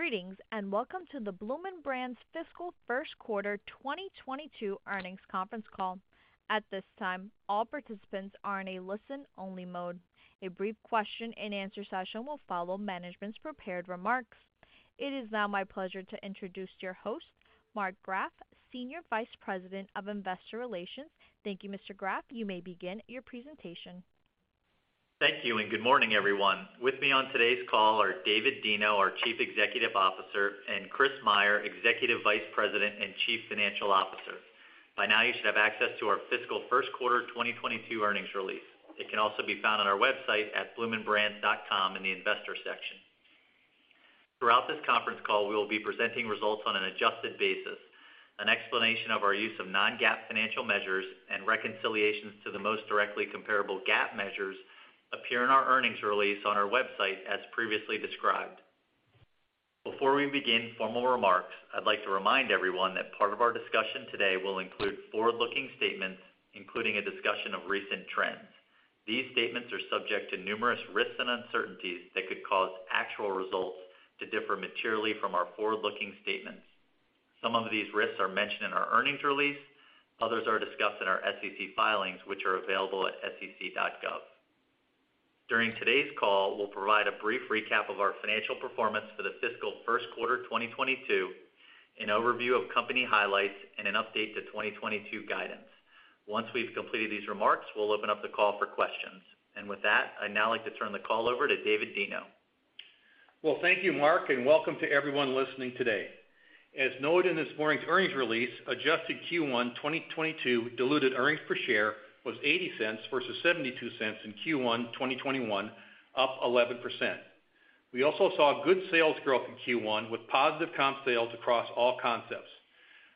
Greetings, and welcome to the Bloomin' Brands Fiscal Q1 2022 Earnings Conference Call. At this time, all participants are in a listen-only mode. A brief question and answer session will follow management's prepared remarks. It is now my pleasure to introduce your host, Mark Graff, Senior Vice President of Investor Relations. Thank you, Mr. Graff. You may begin your presentation. Thank you, and good morning, everyone. With me on today's call are David Deno, our Chief Executive Officer, and Chris Meyer, Executive Vice President and Chief Financial Officer. By now, you should have access to our fiscal Q1 2022 earnings release. It can also be found on our website at bloominbrands.com in the investor section. Throughout this conference call, we will be presenting results on an adjusted basis. An explanation of our use of non-GAAP financial measures and reconciliations to the most directly comparable GAAP measures appear in our earnings release on our website as previously described. Before we begin formal remarks, I'd like to remind everyone that part of our discussion today will include forward-looking statements, including a discussion of recent trends. These statements are subject to numerous risks and uncertainties that could cause actual results to differ materially from our forward-looking statements. Some of these risks are mentioned in our earnings release. Others are discussed in our SEC filings, which are available at SEC.gov. During today's call, we'll provide a brief recap of our financial performance for the fiscal Q1 2022, an overview of company highlights, and an update to 2022 guidance. Once we've completed these remarks, we'll open up the call for questions. With that, I'd now like to turn the call over to David Deno. Well, thank you, Mark, and welcome to everyone listening today. As noted in this morning's earnings release, adjusted Q1 2022 diluted earnings per share was $0.80 versus $0.72 in Q1 2021, up 11%. We also saw good sales growth in Q1 with positive comp sales across all concepts.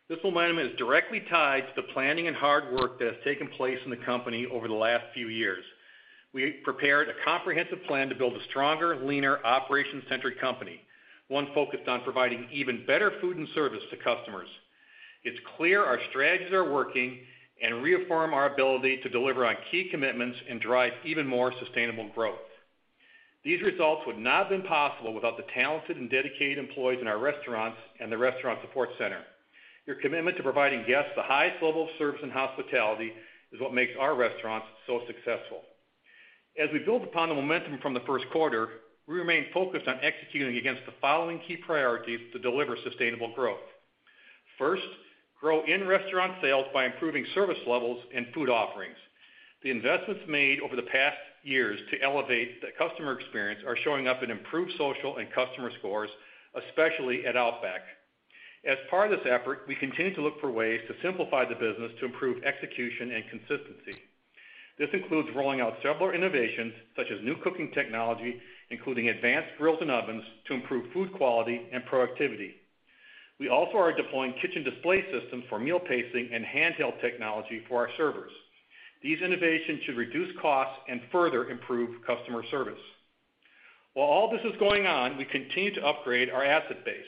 This momentum is directly tied to the planning and hard work that has taken place in the company over the last few years. We prepared a comprehensive plan to build a stronger, leaner, operation-centric company, one focused on providing even better food and service to customers. It's clear our strategies are working and reaffirm our ability to deliver on key commitments and drive even more sustainable growth. These results would not have been possible without the talented and dedicated employees in our restaurants and the restaurant support center. Your commitment to providing guests the highest level of service and hospitality is what makes our restaurants so successful. As we build upon the momentum from the Q1, we remain focused on executing against the following key priorities to deliver sustainable growth. First, grow in-restaurant sales by improving service levels and food offerings. The investments made over the past years to elevate the customer experience are showing up in improved social and customer scores, especially at Outback. As part of this effort, we continue to look for ways to simplify the business to improve execution and consistency. This includes rolling out several innovations, such as new cooking technology, including advanced grills and ovens to improve food quality and productivity. We also are deploying kitchen display systems for meal pacing and handheld technology for our servers. These innovations should reduce costs and further improve customer service. While all this is going on, we continue to upgrade our asset base.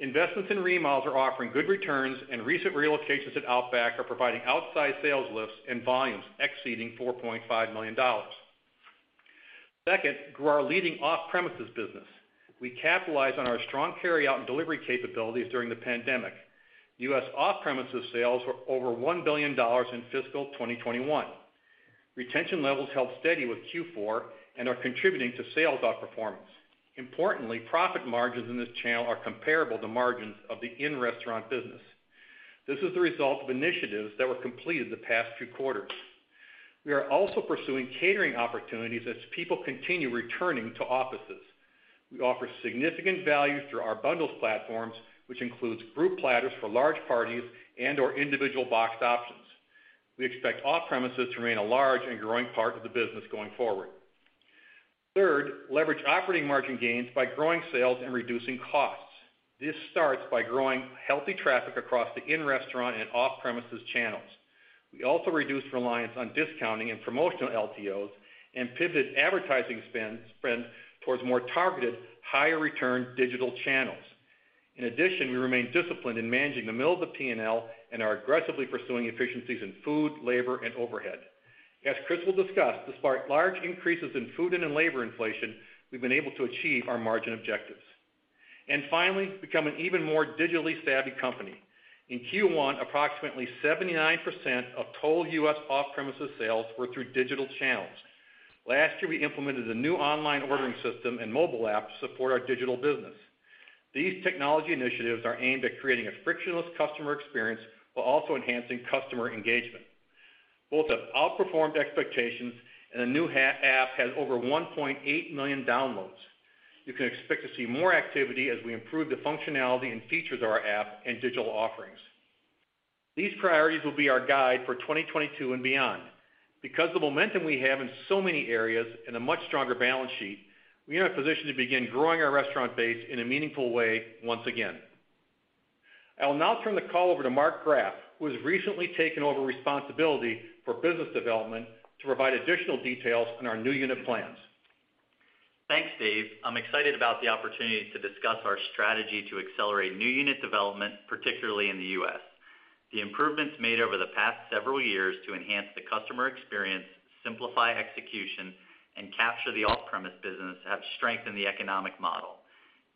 Investments in remodels are offering good returns, and recent relocations at Outback are providing outside sales lifts and volumes exceeding $4.5 million. Second, grow our leading off-premises business. We capitalize on our strong carry-out and delivery capabilities during the pandemic. US off-premises sales were over $1 billion in fiscal 2021. Retention levels held steady with Q4 and are contributing to sales outperformance. Importantly, profit margins in this channel are comparable to margins of the in-restaurant business. This is the result of initiatives that were completed in the past few quarters. We are also pursuing catering opportunities as people continue returning to offices. We offer significant value through our bundles platforms, which includes group platters for large parties and/or individual boxed options. We expect off-premises to remain a large and growing part of the business going forward. Third, leverage operating margin gains by growing sales and reducing costs. This starts by growing healthy traffic across the in-restaurant and off-premises channels. We also reduce reliance on discounting and promotional LTOs and pivot advertising spend towards more targeted, higher return digital channels. In addition, we remain disciplined in managing the middle of the P&L and are aggressively pursuing efficiencies in food, labor, and overhead. As Chris will discuss, despite large increases in food and labor inflation, we've been able to achieve our margin objectives. Finally, become an even more digitally savvy company. In Q1, approximately 79% of total U.S. off-premises sales were through digital channels. Last year, we implemented a new online ordering system and mobile app to support our digital business. These technology initiatives are aimed at creating a frictionless customer experience while also enhancing customer engagement. Both have outperformed expectations, and the new app has over 1.8 million downloads. You can expect to see more activity as we improve the functionality and features of our app and digital offerings. These priorities will be our guide for 2022 and beyond. Because of the momentum we have in so many areas and a much stronger balance sheet, we are in a position to begin growing our restaurant base in a meaningful way once again. I'll now turn the call over to Mark Graff, who has recently taken over responsibility for business development to provide additional details on our new unit plans. Thanks, Dave. I'm excited about the opportunity to discuss our strategy to accelerate new unit development, particularly in the US. The improvements made over the past several years to enhance the customer experience, simplify execution, and capture the off-premise business have strengthened the economic model.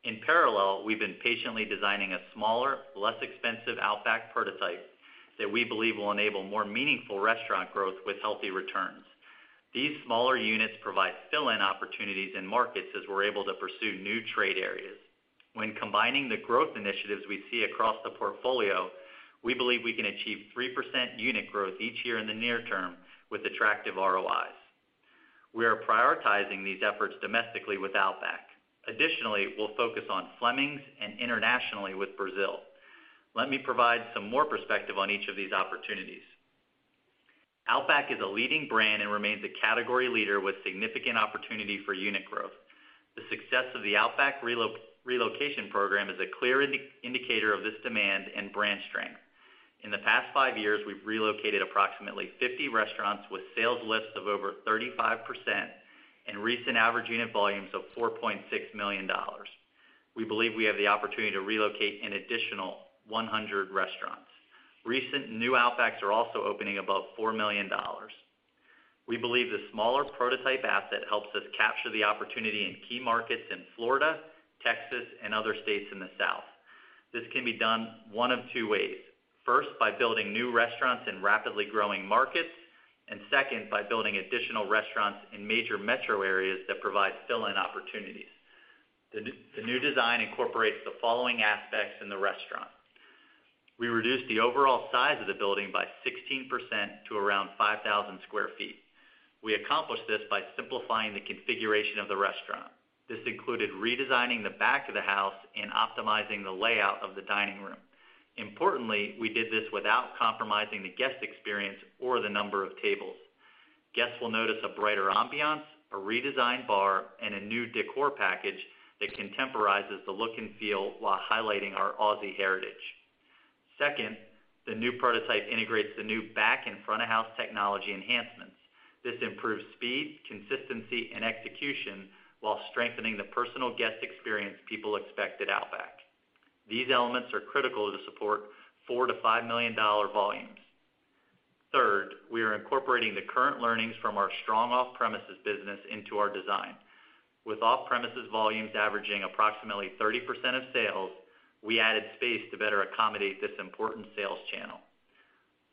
In parallel, we've been patiently designing a smaller, less expensive Outback prototype that we believe will enable more meaningful restaurant growth with healthy returns. These smaller units provide fill-in opportunities in markets as we're able to pursue new trade areas. When combining the growth initiatives we see across the portfolio, we believe we can achieve 3% unit growth each year in the near term with attractive ROIs. We are prioritizing these efforts domestically with Outback. Additionally, we'll focus on Fleming's and internationally with Brazil. Let me provide some more perspective on each of these opportunities. Outback is a leading brand and remains a category leader with significant opportunity for unit growth. The success of the Outback relocation program is a clear indicator of this demand and brand strength. In the past five years, we've relocated approximately 50 restaurants with sales lifts of over 35% and recent average unit volumes of $4.6 million. We believe we have the opportunity to relocate an additional 100 restaurants. Recent new Outbacks are also opening above $4 million. We believe the smaller prototype asset helps us capture the opportunity in key markets in Florida, Texas, and other states in the South. This can be done one of two ways. First, by building new restaurants in rapidly growing markets, and second, by building additional restaurants in major metro areas that provide fill-in opportunities. The new design incorporates the following aspects in the restaurant. We reduced the overall size of the building by 16% to around 5,000 sq ft. We accomplished this by simplifying the configuration of the restaurant. This included redesigning the back of the house and optimizing the layout of the dining room. Importantly, we did this without compromising the guest experience or the number of tables. Guests will notice a brighter ambiance, a redesigned bar, and a new decor package that contemporizes the look and feel while highlighting our Aussie heritage. Second, the new prototype integrates the new back and front of house technology enhancements. This improves speed, consistency, and execution while strengthening the personal guest experience people expect at Outback. These elements are critical to support $4 million-$5 million volumes. Third, we are incorporating the current learnings from our strong off-premises business into our design. With off-premises volumes averaging approximately 30% of sales, we added space to better accommodate this important sales channel.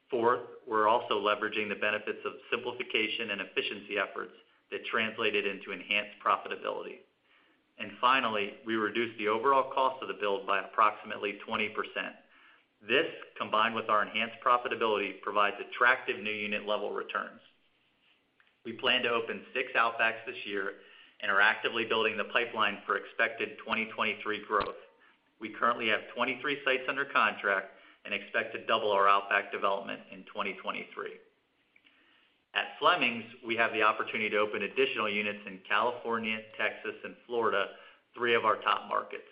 Fourth, we're also leveraging the benefits of simplification and efficiency efforts that translated into enhanced profitability. Finally, we reduced the overall cost of the build by approximately 20%. This, combined with our enhanced profitability, provides attractive new unit level returns. We plan to open 6 Outbacks this year and are actively building the pipeline for expected 2023 growth. We currently have 23 sites under contract and expect to double our Outback development in 2023. At Fleming's, we have the opportunity to open additional units in California, Texas, and Florida, three of our top markets.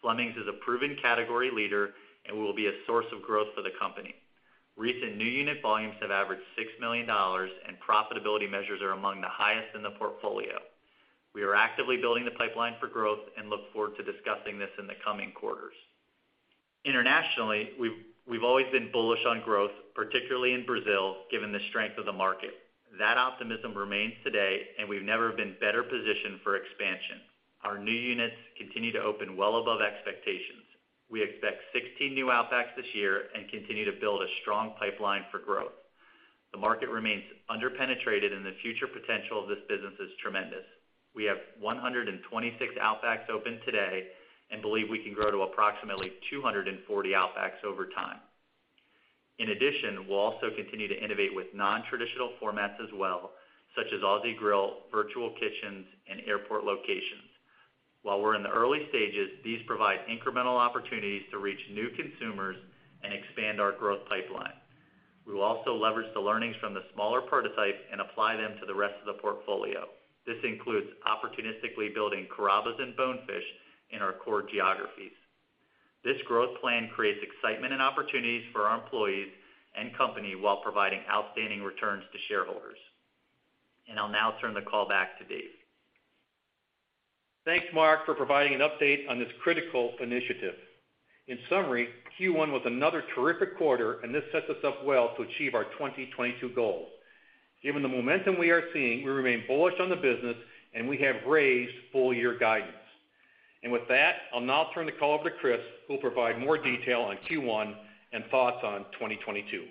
Fleming's is a proven category leader and will be a source of growth for the company. Recent new unit volumes have averaged $6 million, and profitability measures are among the highest in the portfolio. We are actively building the pipeline for growth and look forward to discussing this in the coming quarters. Internationally, we've always been bullish on growth, particularly in Brazil, given the strength of the market. That optimism remains today, and we've never been better positioned for expansion. Our new units continue to open well above expectations. We expect 16 new Outbacks this year and continue to build a strong pipeline for growth. The market remains under-penetrated, and the future potential of this business is tremendous. We have 126 Outbacks open today and believe we can grow to approximately 240 Outbacks over time. In addition, we'll also continue to innovate with nontraditional formats as well, such as Aussie Grill, virtual kitchens, and airport locations. While we're in the early stages, these provide incremental opportunities to reach new consumers and expand our growth pipeline. We will also leverage the learnings from the smaller prototypes and apply them to the rest of the portfolio. This includes opportunistically building Carrabba's and Bonefish in our core geographies. This growth plan creates excitement and opportunities for our employees and company while providing outstanding returns to shareholders. I'll now turn the call back to Dave. Thanks, Mark, for providing an update on this critical initiative. In summary, Q1 was another terrific quarter, and this sets us up well to achieve our 2022 goals. Given the momentum we are seeing, we remain bullish on the business, and we have raised full year guidance. With that, I'll now turn the call over to Chris, who will provide more detail on Q1 and thoughts on 2022.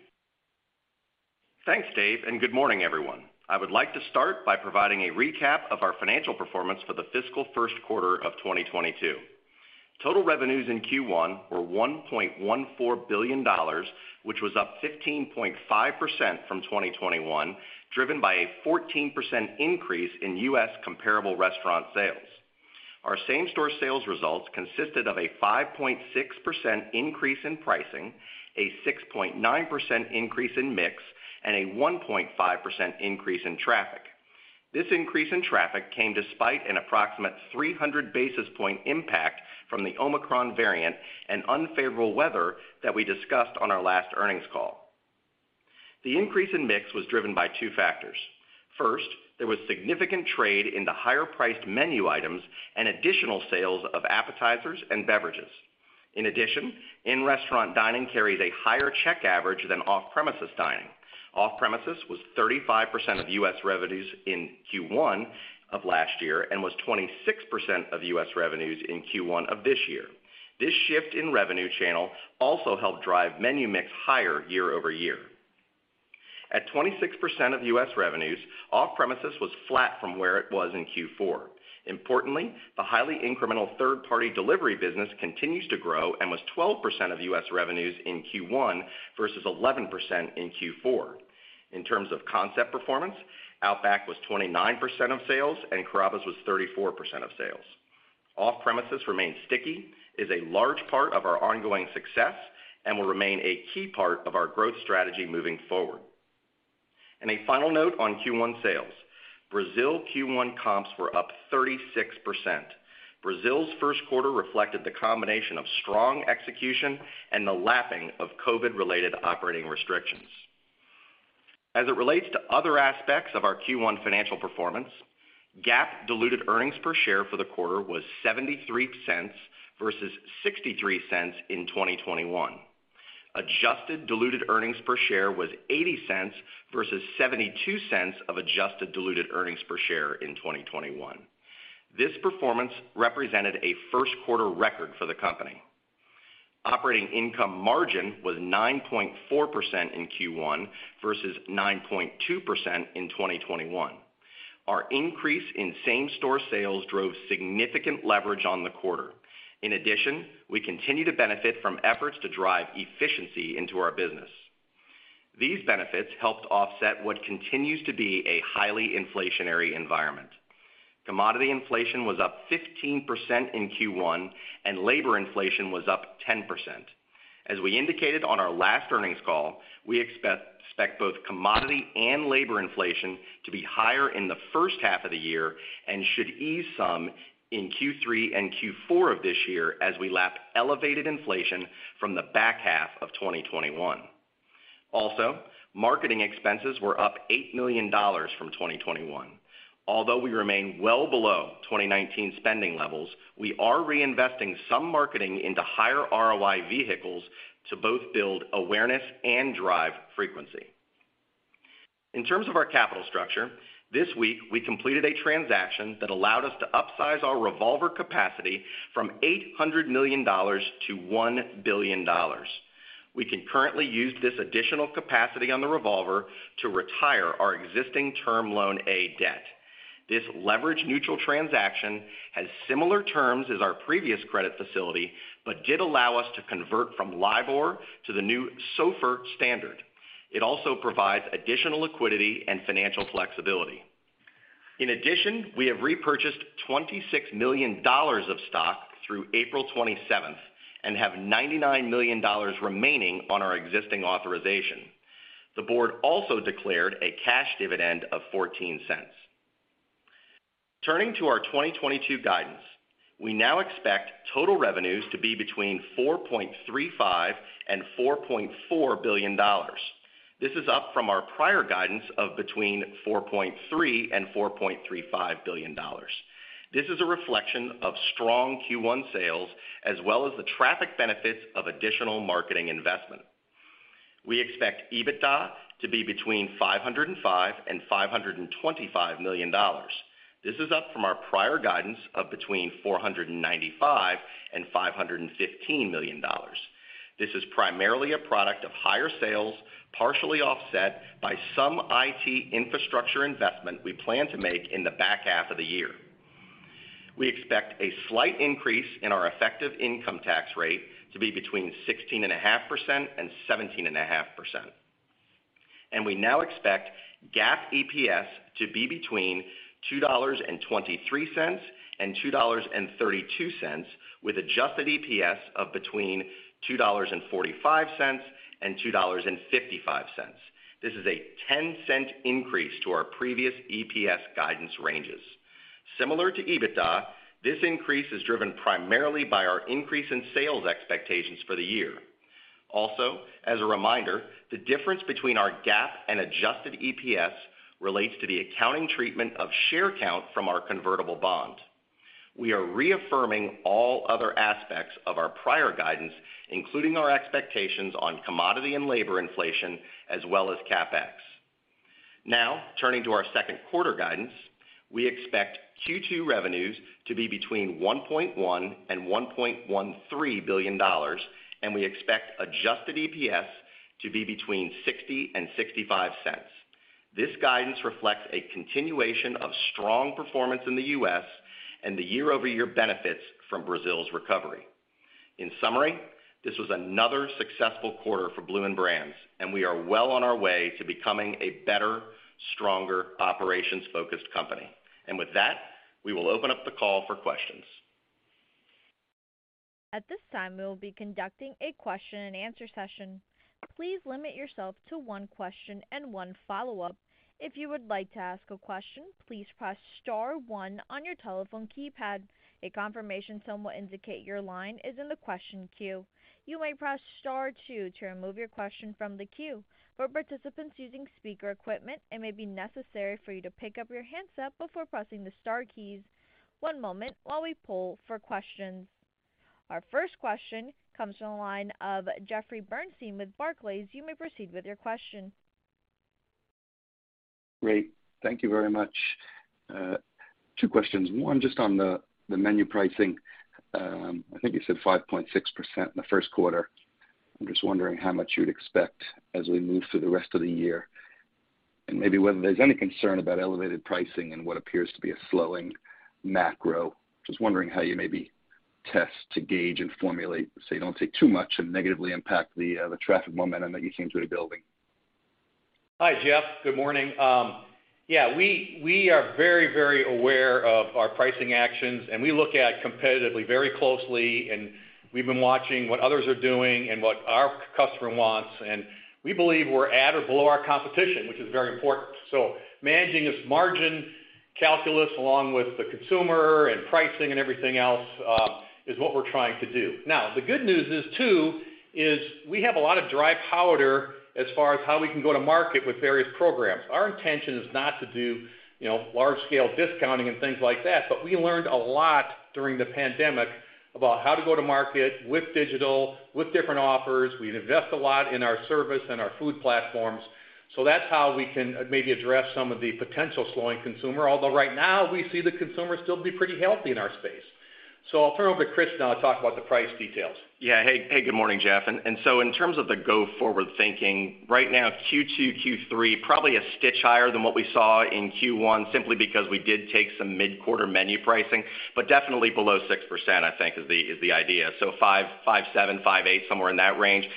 Thanks, Dave, and good morning, everyone. I would like to start by providing a recap of our financial performance for the fiscal Q1 of 2022. Total revenues in Q1 were $1.14 billion, which was up 15.5% from 2021, driven by a 14% increase in U.S. comparable restaurant sales. Our same store sales results consisted of a 5.6% increase in pricing, a 6.9% increase in mix, and a 1.5% increase in traffic. This increase in traffic came despite an approximate 300 basis point impact from the Omicron variant and unfavorable weather that we discussed on our last earnings call. The increase in mix was driven by two factors. First, there was significant trade in the higher-priced menu items and additional sales of appetizers and beverages. In addition, in-restaurant dining carries a higher check average than off-premises dining. Off-premises was 35% of US revenues in Q1 of last year and was 26% of US revenues in Q1 of this year. This shift in revenue channel also helped drive menu mix higher year-over-year. At 26% of US revenues, off-premises was flat from where it was in Q4. Importantly, the highly incremental third-party delivery business continues to grow and was 12% of US revenues in Q1 versus 11% in Q4. In terms of concept performance, Outback was 29% of sales and Carrabba's was 34% of sales. Off-premises remains sticky, is a large part of our ongoing success, and will remain a key part of our growth strategy moving forward. A final note on Q1 sales, Brazil Q1 comps were up 36%. Brazil's Q1 reflected the combination of strong execution and the lapping of COVID-related operating restrictions. As it relates to other aspects of our Q1 financial performance, GAAP diluted earnings per share for the quarter was $0.73 versus $0.63 in 2021. Adjusted diluted earnings per share was $0.80 versus $0.72 of adjusted diluted earnings per share in 2021. This performance represented a Q1 record for the company. Operating income margin was 9.4% in Q1 versus 9.2% in 2021. Our increase in same-store sales drove significant leverage on the quarter. In addition, we continue to benefit from efforts to drive efficiency into our business. These benefits helped offset what continues to be a highly inflationary environment. Commodity inflation was up 15% in Q1, and labor inflation was up 10%. As we indicated on our last earnings call, we expect both commodity and labor inflation to be higher in the first half of the year and should ease some in Q3 and Q4 of this year as we lap elevated inflation from the back half of 2021. Also, marketing expenses were up $8 million from 2021. Although we remain well below 2019 spending levels, we are reinvesting some marketing into higher ROI vehicles to both build awareness and drive frequency. In terms of our capital structure, this week we completed a transaction that allowed us to upsize our revolver capacity from $800 million to $1 billion. We can currently use this additional capacity on the revolver to retire our existing Term Loan A debt. This leverage neutral transaction has similar terms as our previous credit facility, but did allow us to convert from LIBOR to the new SOFR standard. It also provides additional liquidity and financial flexibility. In addition, we have repurchased $26 million of stock through April 27th and have $99 million remaining on our existing authorization. The board also declared a cash dividend of $0.14. Turning to our 2022 guidance, we now expect total revenues to be between $4.35 billion and $4.4 billion. This is up from our prior guidance of between $4.3 billion and $4.35 billion. This is a reflection of strong Q1 sales as well as the traffic benefits of additional marketing investment. We expect EBITDA to be between $505 million and $525 million. This is up from our prior guidance of between $495 million and $515 million. This is primarily a product of higher sales, partially offset by some IT infrastructure investment we plan to make in the back half of the year. We expect a slight increase in our effective income tax rate to be between 16.5% and 17.5%. We now expect GAAP EPS to be between $2.23 and $2.32, with adjusted EPS of between $2.45 and $2.55. This is a 10-cent increase to our previous EPS guidance ranges. Similar to EBITDA, this increase is driven primarily by our increase in sales expectations for the year. Also, as a reminder, the difference between our GAAP and adjusted EPS relates to the accounting treatment of share count from our convertible bond. We are reaffirming all other aspects of our prior guidance, including our expectations on commodity and labor inflation, as well as CapEx. Now, turning to our Q2 guidance, we expect Q2 revenues to be between $1.1 billion and $1.13 billion, and we expect adjusted EPS to be between $0.60 and $0.65. This guidance reflects a continuation of strong performance in the U.S. and the year-over-year benefits from Brazil's recovery. In summary, this was another successful quarter for Bloomin' Brands, and we are well on our way to becoming a better, stronger, operations-focused company. With that, we will open up the call for questions. At this time, we will be conducting a question and answer session. Please limit yourself to one question and one follow-up. If you would like to ask a question, please press star one on your telephone keypad. A confirmation tone will indicate your line is in the question queue. You may press star two to remove your question from the queue. For participants using speaker equipment, it may be necessary for you to pick up your handset before pressing the star keys. One moment while we poll for questions. Our first question comes from the line of Jeffrey Bernstein with Barclays. You may proceed with your question. Great. Thank you very much. Two questions. One, just on the menu pricing. I think you said 5.6% in the Q1. I'm just wondering how much you'd expect as we move through the rest of the year, and maybe whether there's any concern about elevated pricing in what appears to be a slowing macro. Just wondering how you maybe test to gauge and formulate so you don't take too much and negatively impact the traffic momentum that you seem to be building. Hi, Jeff. Good morning. Yeah, we are very, very aware of our pricing actions, and we look at competition very closely, and we've been watching what others are doing and what our customer wants. We believe we're at or below our competition, which is very important. Managing this margin calculus along with the consumer and pricing and everything else is what we're trying to do. Now, the good news is we have a lot of dry powder as far as how we can go to market with various programs. Our intention is not to do, you know, large scale discounting and things like that, but we learned a lot during the pandemic about how to go to market with digital, with different offers. We invest a lot in our service and our food platforms. That's how we can maybe address some of the potential slowing consumer. Although right now, we see the consumer still to be pretty healthy in our space. I'll turn over to Chris now to talk about the price details. Yeah. Hey, good morning, Jeff. In terms of the go forward thinking, right now, Q2, Q3, probably a smidge higher than what we saw in Q1 simply because we did take some mid-quarter menu pricing. Definitely below 6%, I think, is the idea. 5.5-5.8%, somewhere in that range.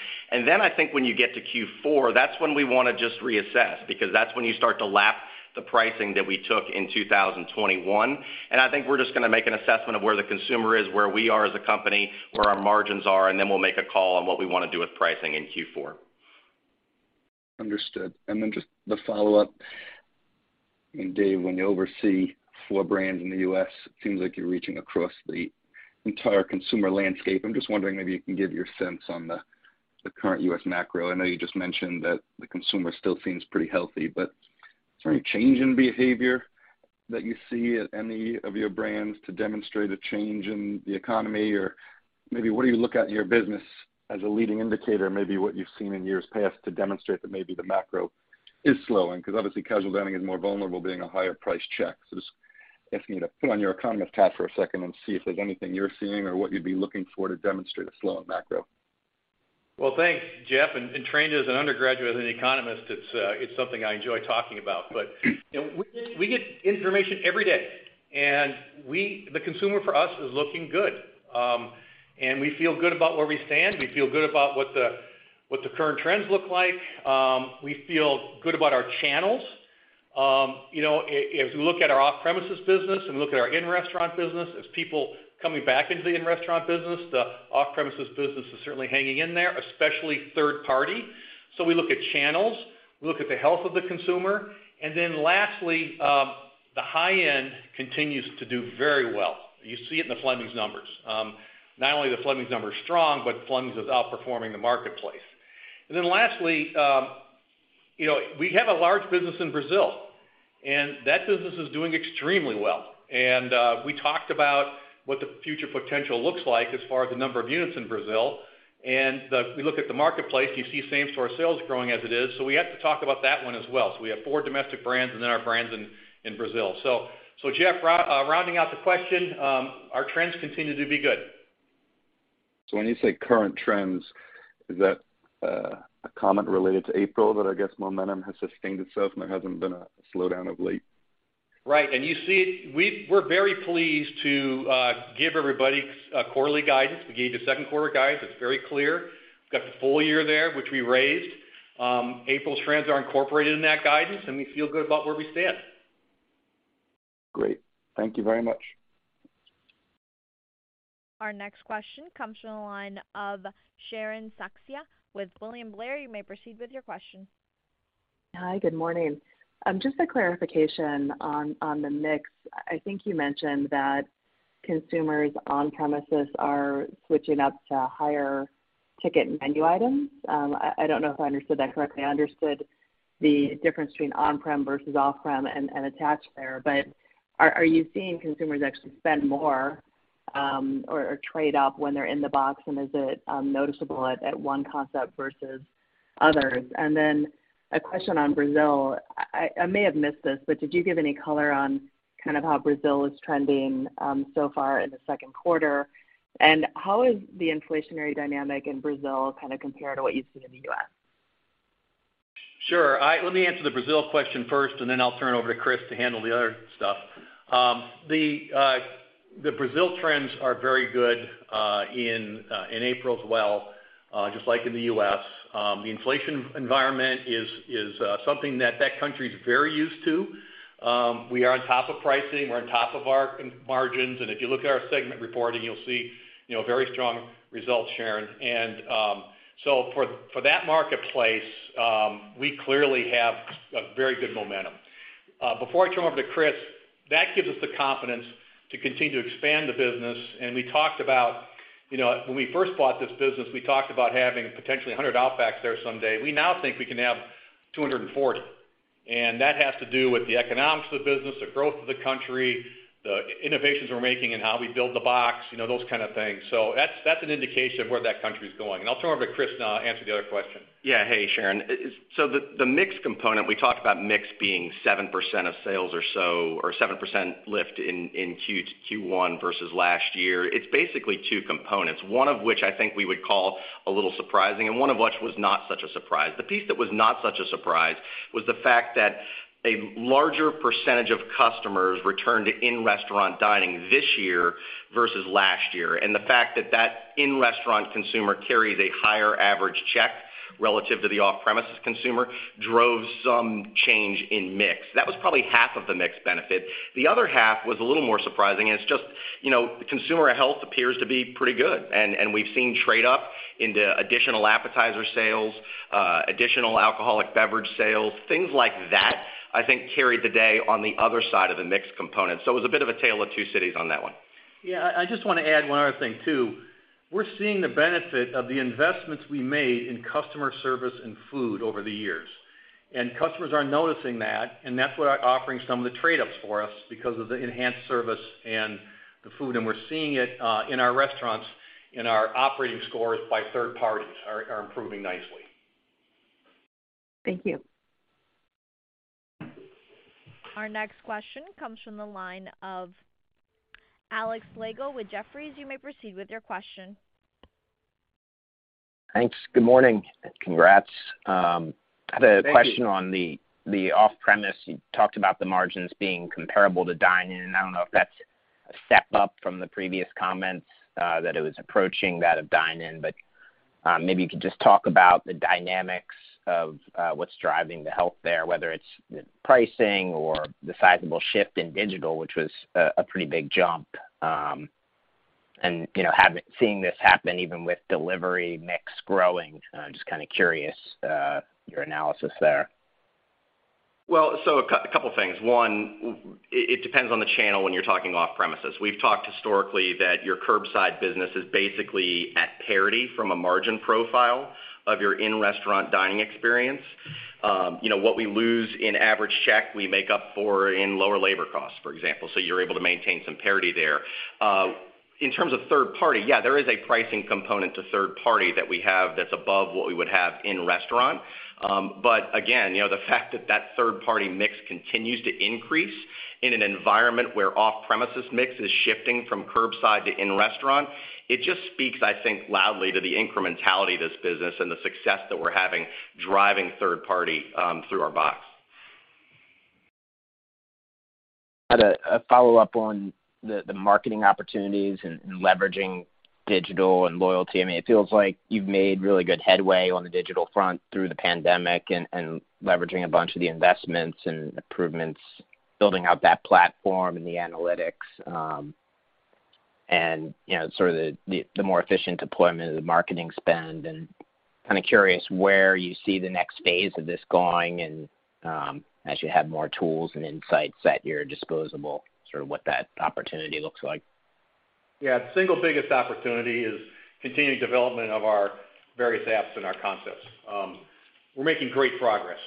When you get to Q4, that's when we wanna just reassess, because that's when you start to lap the pricing that we took in 2021. We're just gonna make an assessment of where the consumer is, where we are as a company, where our margins are, and then we'll make a call on what we wanna do with pricing in Q4. Understood. Just the follow-up. Dave, when you oversee four brands in the U.S., it seems like you're reaching across the entire consumer landscape. I'm just wondering maybe you can give your sense on the current U.S. macro. I know you just mentioned that the consumer still seems pretty healthy, but is there any change in behavior that you see at any of your brands to demonstrate a change in the economy? Maybe what do you look at in your business as a leading indicator, maybe what you've seen in years past to demonstrate that maybe the macro is slowing? Because obviously, casual dining is more vulnerable being a higher price check. Just asking you to put on your economist hat for a second and see if there's anything you're seeing or what you'd be looking for to demonstrate a slowing macro. Well, thanks, Jeff. Trained as an undergraduate as an economist, it's something I enjoy talking about. You know, we get information every day, and the consumer for us is looking good. We feel good about where we stand. We feel good about what the current trends look like. We feel good about our channels. If we look at our off-premises business and we look at our in-restaurant business, as people coming back into the in-restaurant business, the off-premises business is certainly hanging in there, especially third party. We look at channels, we look at the health of the consumer. Lastly, the high end continues to do very well. You see it in the Fleming's numbers. Not only the Fleming's number is strong, but Fleming's is outperforming the marketplace. Lastly, you know, we have a large business in Brazil, and that business is doing extremely well. We talked about what the future potential looks like as far as the number of units in Brazil. We look at the marketplace, you see same-store sales growing as it is. We have to talk about that one as well. We have four domestic brands and then our brands in Brazil. Jeff, rounding out the question, our trends continue to be good. When you say current trends, is that a comment related to April that I guess momentum has sustained itself and there hasn't been a slowdown of late? Right. You see it. We're very pleased to give everybody quarterly guidance. We gave the Q2 guidance. It's very clear. We've got the full year there, which we raised. April's trends are incorporated in that guidance, and we feel good about where we stand. Great. Thank you very much. Our next question comes from the line of Sharon Zackfia with William Blair. You may proceed with your question. Hi, good morning. Just a clarification on the mix. I think you mentioned that consumers on premises are switching up to higher ticket menu items. I don't know if I understood that correctly. I understood the difference between on-prem versus off-prem and attach there. But are you seeing consumers actually spend more or trade up when they're in the box, and is it noticeable at one concept versus others? Then a question on Brazil. I may have missed this, but did you give any color on kind of how Brazil is trending so far in the Q2? How is the inflationary dynamic in Brazil kinda compared to what you've seen in the US? Sure. Let me answer the Brazil question first, and then I'll turn it over to Chris to handle the other stuff. The Brazil trends are very good in April as well, just like in the U.S. The inflation environment is something that country is very used to. We are on top of pricing, we're on top of our margins. If you look at our segment reporting, you'll see, you know, very strong results, Sharon. For that marketplace, we clearly have a very good momentum. Before I turn over to Chris, that gives us the confidence to continue to expand the business. We talked about, you know, when we first bought this business, we talked about having potentially 100 Outback there someday. We now think we can have 240. That has to do with the economics of the business, the growth of the country, the innovations we're making and how we build the box, you know, those kind of things. So that's an indication of where that country is going. I'll turn over to Chris to answer the other question. Hey, Sharon. The mix component, we talked about mix being 7% of sales or so, or 7% lift in Q1 versus last year. It's basically two components, one of which I think we would call a little surprising, and one of which was not such a surprise. The piece that was not such a surprise was the fact that a larger percentage of customers returned to in-restaurant dining this year versus last year. The fact that that in-restaurant consumer carries a higher average check relative to the off-premises consumer drove some change in mix. That was probably half of the mix benefit. The other half was a little more surprising, and it's just, you know, consumer health appears to be pretty good, and we've seen trade up into additional appetizer sales, additional alcoholic beverage sales, things like that, I think carried the day on the other side of the mix component. It was a bit of a tale of two cities on that one. Yeah. I just want to add one other thing, too. We're seeing the benefit of the investments we made in customer service and food over the years. Customers are noticing that, and that's what offering some of the trade-ups for us because of the enhanced service and the food. We're seeing it in our restaurants, in our operating scores by third parties are improving nicely. Thank you. Our next question comes from the line of Alex Slagle with Jefferies. You may proceed with your question. Thanks. Good morning. Congrats. Thank you. I had a question on the off-premise. You talked about the margins being comparable to dine-in. I don't know if that's a step up from the previous comments that it was approaching that of dine-in, but maybe you could just talk about the dynamics of what's driving the health there, whether it's pricing or the sizable shift in digital, which was a pretty big jump. And you know, seeing this happen even with delivery mix growing. I'm just kind of curious, your analysis there. A couple of things. One, it depends on the channel when you're talking off premises. We've talked historically that your curbside business is basically at parity from a margin profile of your in-restaurant dining experience. You know, what we lose in average check, we make up for in lower labor costs, for example. You're able to maintain some parity there. In terms of third party, yeah, there is a pricing component to third party that we have that's above what we would have in restaurant. But again, you know, the fact that third-party mix continues to increase in an environment where off-premises mix is shifting from curbside to in-restaurant, it just speaks, I think, loudly to the incrementality of this business and the success that we're having driving third party through our box. I had a follow-up on the marketing opportunities and leveraging digital and loyalty. I mean, it feels like you've made really good headway on the digital front through the pandemic and leveraging a bunch of the investments and improvements, building out that platform and the analytics, and you know, sort of the more efficient deployment of the marketing spend. Kind of curious where you see the next phase of this going and as you have more tools and insights at your disposal, sort of what that opportunity looks like. Yeah. The single biggest opportunity is continued development of our various apps and our concepts. We're making great progress.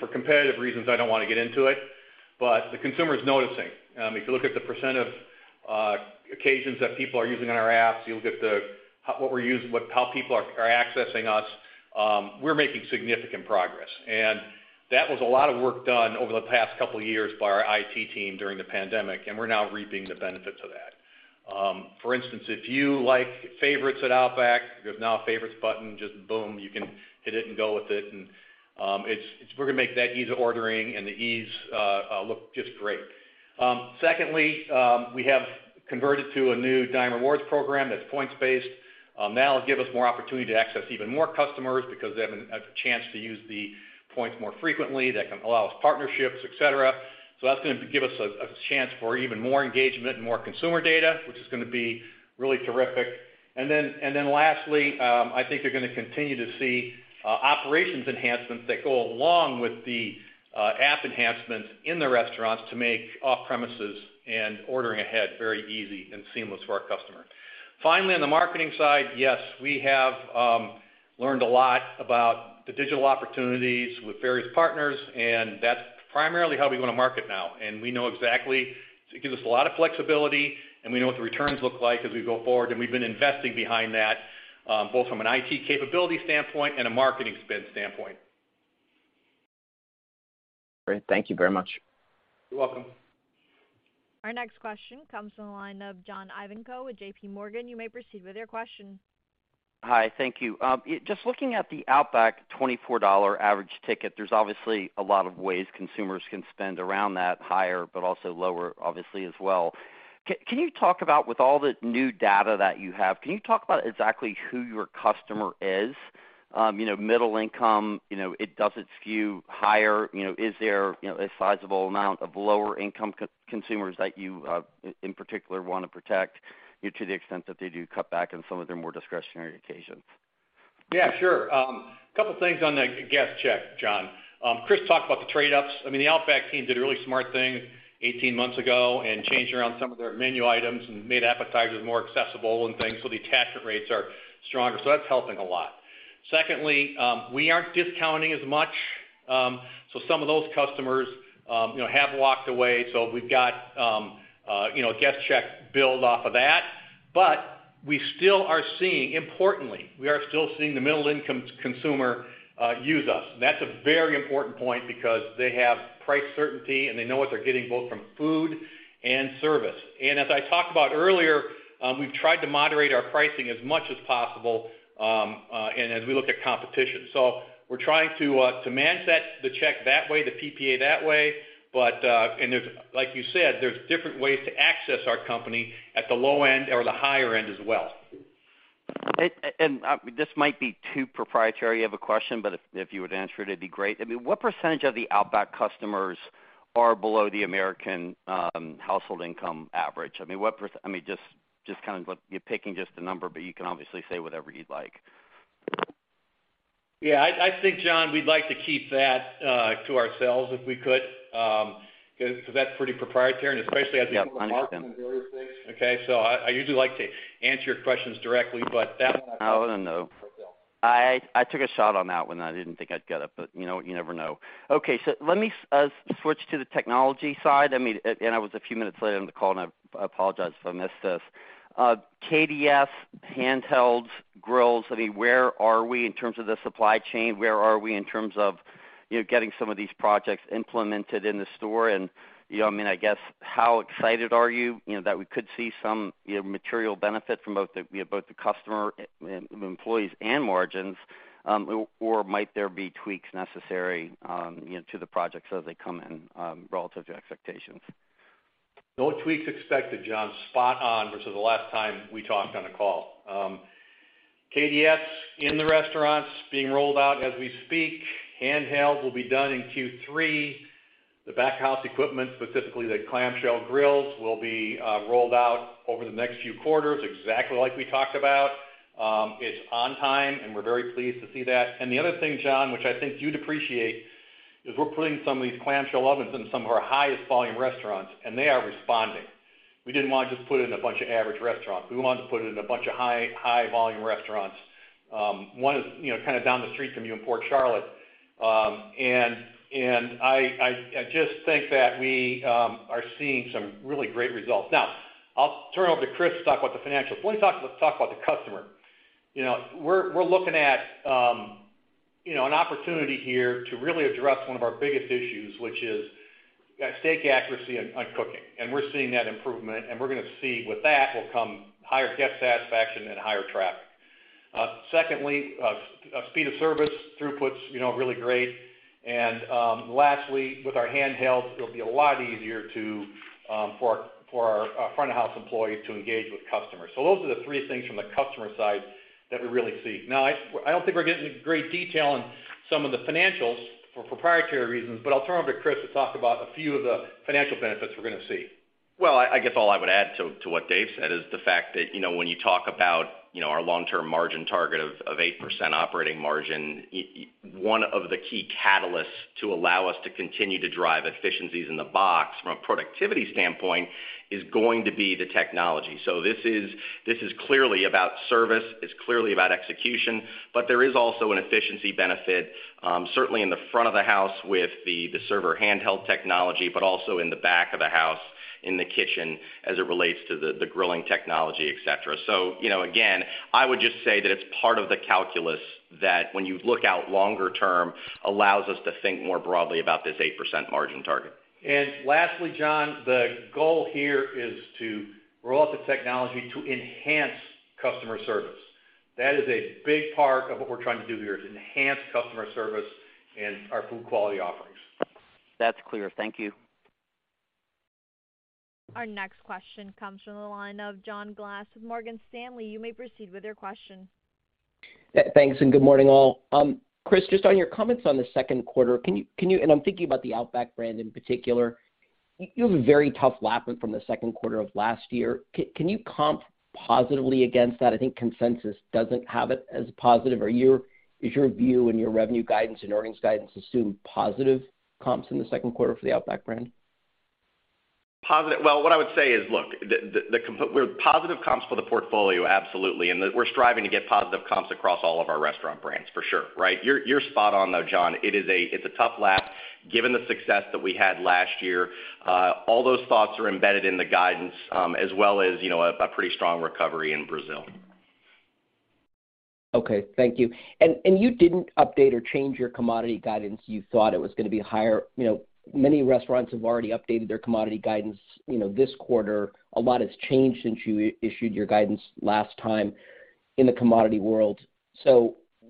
For competitive reasons, I don't want to get into it, but the consumer is noticing. If you look at the percent of occasions that people are using on our apps, you look at how people are accessing us, we're making significant progress. That was a lot of work done over the past couple of years by our IT team during the pandemic, and we're now reaping the benefit to that. For instance, if you like favorites at Outback, there's now a favorites button, just boom, you can hit it and go with it. It's we're going to make that ease of ordering and the ease look just great. Secondly, we have converted to a new Dine Rewards program that's points-based. That'll give us more opportunity to access even more customers because they have a chance to use the points more frequently. That can allow us partnerships, et cetera. That's gonna give us a chance for even more engagement and more consumer data, which is gonna be really terrific. Then lastly, I think you're gonna continue to see operations enhancements that go along with the app enhancements in the restaurants to make off-premises and ordering ahead very easy and seamless for our customer. Finally, on the marketing side, yes, we have learned a lot about the digital opportunities with various partners, and that's primarily how we want to market now. We know exactly. It gives us a lot of flexibility, and we know what the returns look like as we go forward. We've been investing behind that, both from an IT capability standpoint and a marketing spend standpoint. Great. Thank you very much. You're welcome. Our next question comes from the line of John Ivankoe with J.P. Morgan. You may proceed with your question. Hi, thank you. Just looking at the Outback $24 average ticket, there's obviously a lot of ways consumers can spend around that higher but also lower, obviously, as well. Can you talk about, with all the new data that you have, exactly who your customer is? You know, middle income, you know, does it skew higher? You know, is there, you know, a sizable amount of lower income consumers that you in particular want to protect to the extent that they do cut back on some of their more discretionary occasions? Yeah, sure. A couple things on the guest check, John. Chris talked about the trade-offs. I mean, the Outback team did a really smart thing 18 months ago and changed around some of their menu items and made appetizers more accessible and things, so the attachment rates are stronger, so that's helping a lot. Secondly, we aren't discounting as much, so some of those customers, you know, have walked away. We've got, you know, a guest check build off of that. We still are seeing, importantly, we are still seeing the middle-income consumer use us. That's a very important point because they have price certainty, and they know what they're getting both from food and service. As I talked about earlier, we've tried to moderate our pricing as much as possible, and as we look at competition. We're trying to manage that, the check that way, the PPA that way. There's, like you said, different ways to access our company at the low end or the higher end as well. This might be too proprietary of a question, but if you would answer it'd be great. I mean, what percentage of the Outback customers are below the American household income average? I mean, just kind of what you're picking, just a number, but you can obviously say whatever you'd like. Yeah, I think, John, we'd like to keep that to ourselves if we could, because that's pretty proprietary, and especially as we go to market. Yep. Understood. various things. Okay. I usually like to answer your questions directly, but that one I probably won't. Oh, no. I took a shot on that one. I didn't think I'd get it, but you know what? You never know. Okay. Let me switch to the technology side. I mean, I was a few minutes late on the call, and I apologize if I missed this. KDS, handhelds, grills, I mean, where are we in terms of the supply chain? Where are we in terms of, you know, getting some of these projects implemented in the store? You know, I mean, I guess, how excited are you know, that we could see some, you know, material benefit from both the, you know, both the customer, employees, and margins, or might there be tweaks necessary, you know, to the projects as they come in, relative to expectations? No tweaks expected, John. Spot on versus the last time we talked on a call. KDS in the restaurants being rolled out as we speak. Handhelds will be done in Q3. The back house equipment, specifically the clamshell grills, will be rolled out over the next few quarters, exactly like we talked about. It's on time, and we're very pleased to see that. The other thing, John, which I think you'd appreciate, is we're putting some of these clamshell ovens in some of our highest volume restaurants, and they are responding. We didn't want to just put it in a bunch of average restaurants. We wanted to put it in a bunch of high volume restaurants. One is, you know, kind of down the street from you in Port Charlotte. I just think that we are seeing some really great results. Now, I'll turn it over to Chris to talk about the financials. Let's talk about the customer. You know, we're looking at you know, an opportunity here to really address one of our biggest issues, which is steak accuracy and cooking. We're seeing that improvement, and we're gonna see with that will come higher guest satisfaction and higher traffic. Secondly, speed of service throughputs, you know, really great. Lastly, with our handhelds, it'll be a lot easier for our front of house employees to engage with customers. Those are the three things from the customer side that we really see. Now, I don't think we're getting into great detail on some of the financials for proprietary reasons, but I'll turn over to Chris to talk about a few of the financial benefits we're gonna see. Well, I guess all I would add to what Dave said is the fact that, you know, when you talk about, you know, our long-term margin target of 8% operating margin, one of the key catalysts to allow us to continue to drive efficiencies in the box from a productivity standpoint is going to be the technology. This is clearly about service, it's clearly about execution, but there is also an efficiency benefit, certainly in the front of the house with the server handheld technology, but also in the back of the house, in the kitchen as it relates to the grilling technology, et cetera. You know, again, I would just say that it's part of the calculus that when you look out longer term, allows us to think more broadly about this 8% margin target. Lastly, John, the goal here is to roll out the technology to enhance customer service. That is a big part of what we're trying to do here is enhance customer service and our food quality offerings. That's clear. Thank you. Our next question comes from the line of John Glass with Morgan Stanley. You may proceed with your question. Thanks, good morning, all. Chris, just on your comments on the Q2, can you, and I'm thinking about the Outback brand in particular. You have a very tough comp lap from the Q2 of last year. Can you comp positively against that? I think consensus doesn't have it as positive. Is your view and your revenue guidance and earnings guidance assume positive comps in the Q2 for the Outback brand? Positive. Well, what I would say is, look, we're positive comps for the portfolio, absolutely. We're striving to get positive comps across all of our restaurant brands for sure, right? You're spot on, though, John. It is a tough lap given the success that we had last year. All those thoughts are embedded in the guidance, as well as, you know, a pretty strong recovery in Brazil. Okay, thank you. You didn't update or change your commodity guidance. You thought it was gonna be higher. You know, many restaurants have already updated their commodity guidance, you know, this quarter. A lot has changed since you issued your guidance last time in the commodity world.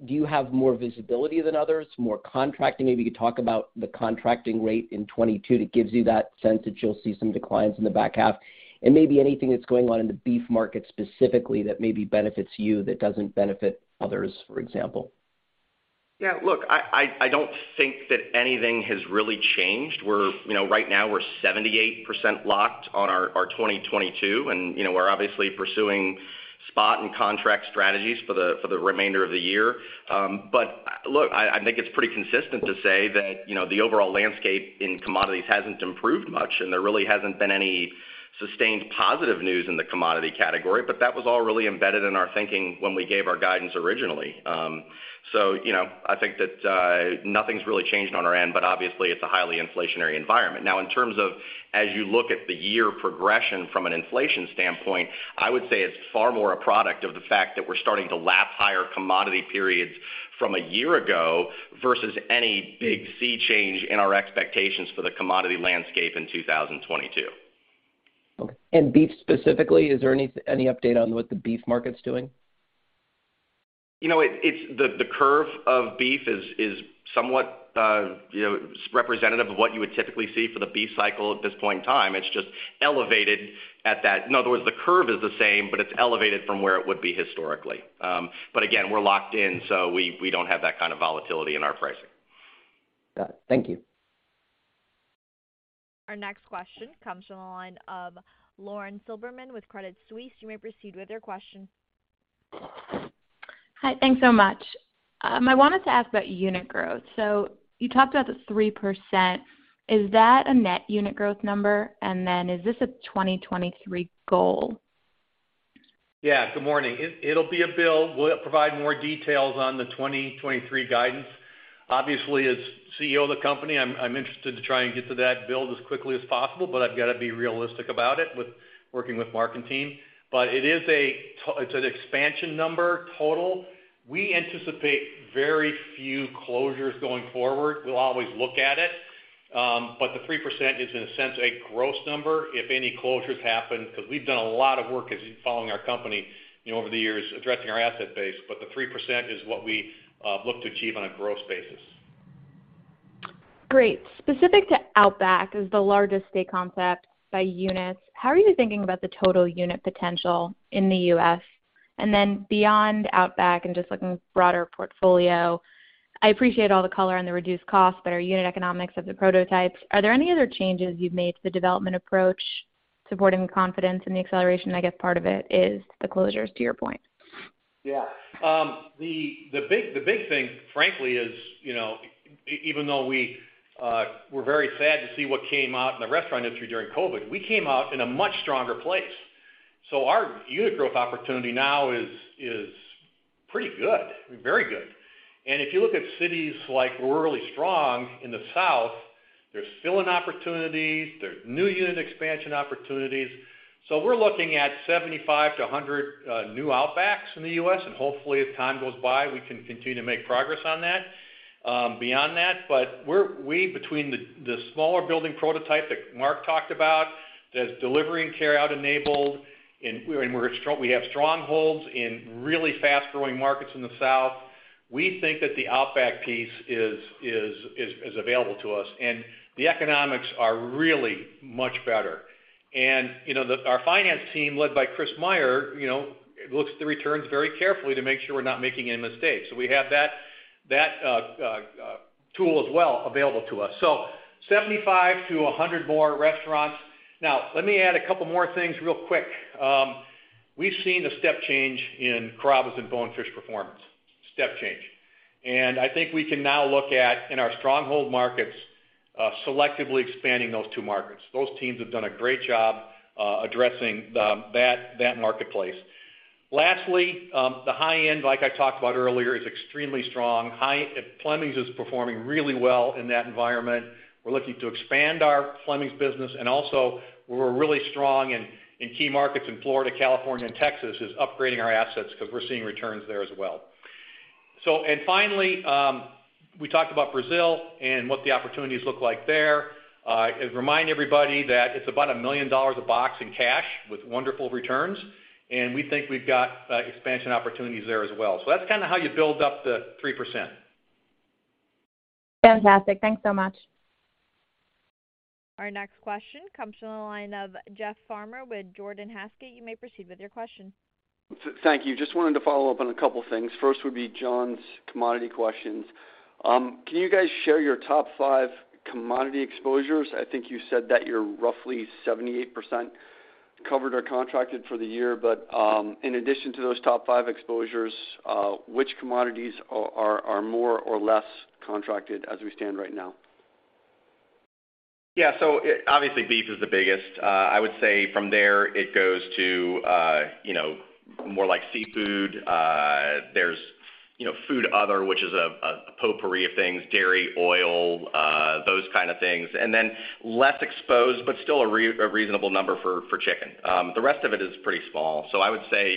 Do you have more visibility than others, more contracting? Maybe you could talk about the contracting rate in 2022 that gives you that sense that you'll see some declines in the back half. Maybe anything that's going on in the beef market specifically that maybe benefits you that doesn't benefit others, for example. Yeah. Look, I don't think that anything has really changed. We're, you know, right now we're 78% locked on our 2022, and, you know, we're obviously pursuing spot and contract strategies for the remainder of the year. Look, I think it's pretty consistent to say that, you know, the overall landscape in commodities hasn't improved much, and there really hasn't been any sustained positive news in the commodity category. That was all really embedded in our thinking when we gave our guidance originally. You know, I think that nothing's really changed on our end, but obviously it's a highly inflationary environment. Now, in terms of as you look at the year progression from an inflation standpoint, I would say it's far more a product of the fact that we're starting to lap higher commodity periods from a year ago versus any big sea change in our expectations for the commodity landscape in 2022. Okay. Beef specifically, is there any update on what the beef market's doing? You know, it's the curve of beef is somewhat you know representative of what you would typically see for the beef cycle at this point in time. It's just elevated at that. In other words, the curve is the same, but it's elevated from where it would be historically. But again, we're locked in, so we don't have that kind of volatility in our pricing. Got it. Thank you. Our next question comes from the line of Lauren Silberman with Credit Suisse. You may proceed with your question. Hi. Thanks so much. I wanted to ask about unit growth. You talked about the 3%. Is that a net unit growth number? Is this a 2023 goal? Yeah. Good morning. It'll be a build. We'll provide more details on the 2023 guidance. Obviously, as CEO of the company, I'm interested to try and get to that build as quickly as possible, but I've got to be realistic about it with working with Mark and team. It's an expansion number total. We anticipate very few closures going forward. We'll always look at it, but the 3% is in a sense a gross number if any closures happen, because we've done a lot of work as you've been following our company, you know, over the years addressing our asset base. The 3% is what we look to achieve on a gross basis. Great. Specific to Outback as the largest steak concept by units, how are you thinking about the total unit potential in the U.S.? Beyond Outback and just looking at broader portfolio, I appreciate all the color on the reduced cost, better unit economics of the prototypes, are there any other changes you've made to the development approach supporting the confidence and the acceleration? I guess part of it is the closures, to your point. The big thing frankly is, you know, even though we were very sad to see what came out in the restaurant industry during COVID, we came out in a much stronger place. Our unit growth opportunity now is pretty good, very good. If you look at cities like we're really strong in the South, there's fill-in opportunities, there's new unit expansion opportunities. We're looking at 75-100 new Outbacks in the U.S., and hopefully as time goes by, we can continue to make progress on that beyond that. We're between the smaller building prototype that Mark talked about that's delivery and carryout enabled, and I mean, we have strongholds in really fast-growing markets in the South. We think that the Outback piece is available to us, and the economics are really much better. You know, our finance team led by Chris Meyer, you know, looks at the returns very carefully to make sure we're not making any mistakes. We have that tool as well available to us. 75-100 more restaurants. Now let me add a couple more things real quick. We've seen a step change in Carrabba's and Bonefish performance, step change. I think we can now look at, in our stronghold markets, selectively expanding those two markets. Those teams have done a great job addressing the marketplace. Lastly, the high end, like I talked about earlier, is extremely strong. Fleming's is performing really well in that environment. We're looking to expand our Fleming's business, and also where we're really strong in key markets in Florida, California, and Texas, is upgrading our assets because we're seeing returns there as well. Finally, we talked about Brazil and what the opportunities look like there. Remind everybody that it's about $1 million a box in cash with wonderful returns, and we think we've got expansion opportunities there as well. That's kind of how you build up the 3%. Fantastic. Thanks so much. Our next question comes from the line of Jeff Farmer with Gordon Haskett. You may proceed with your question. Thank you. Just wanted to follow up on a couple things. First would be John's commodity questions. Can you guys share your top five commodity exposures? I think you said that you're roughly 78% covered or contracted for the year. In addition to those top five exposures, which commodities are more or less contracted as we stand right now? Yeah. So obviously beef is the biggest. I would say from there it goes to, you know, more like seafood. There's, you know, other food, which is a potpourri of things, dairy, oil, those kind of things. And then less exposed but still a reasonable number for chicken. The rest of it is pretty small. I would say,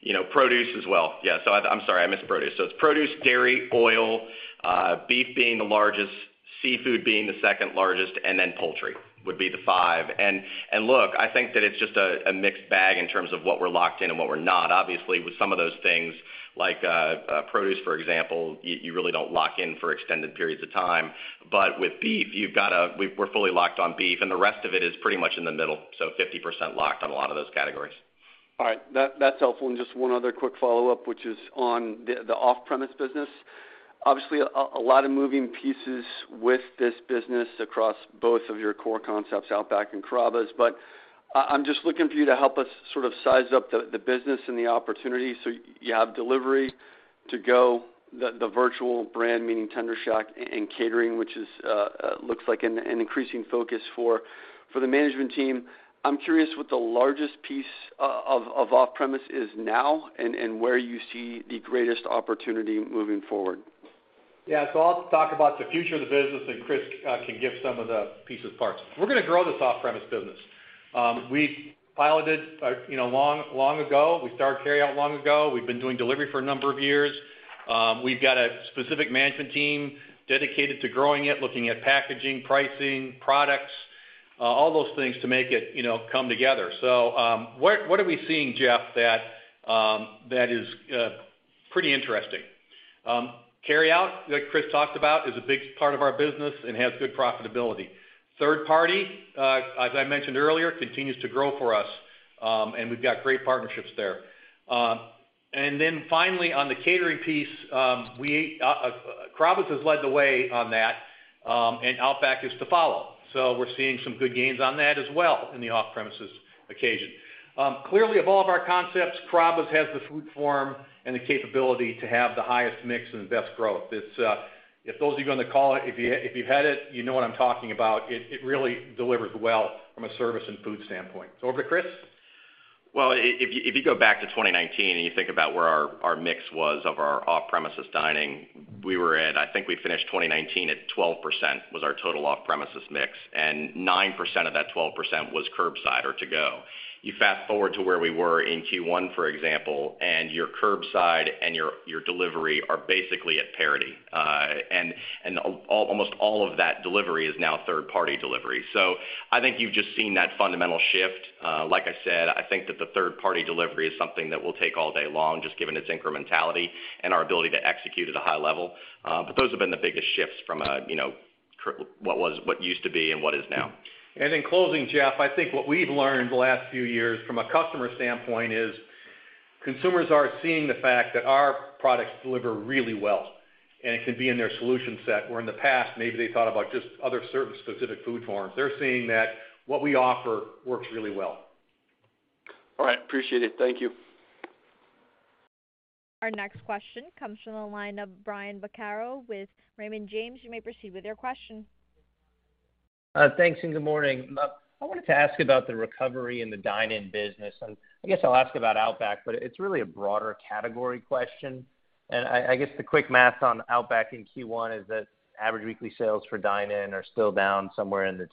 you know, produce as well. Yeah. I'm sorry, I missed produce. It's produce, dairy, oil, beef being the largest, seafood being the second largest, and then poultry would be the fifth. Look, I think that it's just a mixed bag in terms of what we're locked in and what we're not. Obviously, with some of those things like produce, for example, you really don't lock in for extended periods of time. But with beef, we're fully locked on beef, and the rest of it is pretty much in the middle, so 50% locked on a lot of those categories. All right. That's helpful. Just one other quick follow-up, which is on the off-premise business. Obviously, a lot of moving pieces with this business across both of your core concepts, Outback and Carrabba's. I'm just looking for you to help us sort of size up the business and the opportunity. You have delivery, to-go, the virtual brand, meaning Tender Shack and catering, which looks like an increasing focus for the management team. I'm curious what the largest piece of off-premise is now and where you see the greatest opportunity moving forward. Yeah. I'll talk about the future of the business, and Chris can give some of the pieces parts. We're gonna grow this off-premise business. We piloted, you know, long, long ago. We started carryout long ago. We've been doing delivery for a number of years. We've got a specific management team dedicated to growing it, looking at packaging, pricing, products, all those things to make it, you know, come together. What are we seeing, Jeff, that is pretty interesting? Carryout, like Chris talked about, is a big part of our business and has good profitability. Third party, as I mentioned earlier, continues to grow for us, and we've got great partnerships there. Finally, on the catering piece, Carrabba's has led the way on that, and Outback is to follow. We're seeing some good gains on that as well in the off-premises occasion. Clearly, of all of our concepts, Carrabba's has the food form and the capability to have the highest mix and the best growth. If those of you on the call, if you've had it, you know what I'm talking about. It really delivers well from a service and food standpoint. Over to Chris. Well, if you go back to 2019 and you think about where our mix was of our off-premises dining, we were at, I think we finished 2019 at 12%, was our total off-premises mix, and 9% of that 12% was curbside or to-go. You fast-forward to where we were in Q1, for example, and your curbside and your delivery are basically at parity. And almost all of that delivery is now third-party delivery. So I think you've just seen that fundamental shift. Like I said, I think that the third-party delivery is something that will take all day long, just given its incrementality and our ability to execute at a high level. But those have been the biggest shifts from a, you know, what was, what used to be and what is now. In closing, Jeff, I think what we've learned the last few years from a customer standpoint is consumers are seeing the fact that our products deliver really well, and it can be in their solution set, where in the past maybe they thought about just other service specific food forms. They're seeing that what we offer works really well. All right. Appreciate it. Thank you. Our next question comes from the line of Brian Vaccaro with Raymond James. You may proceed with your question. Thanks, good morning. I wanted to ask about the recovery in the dine-in business, and I guess I'll ask about Outback, but it's really a broader category question. I guess the quick math on Outback in Q1 is that average weekly sales for dine-in are still down somewhere in the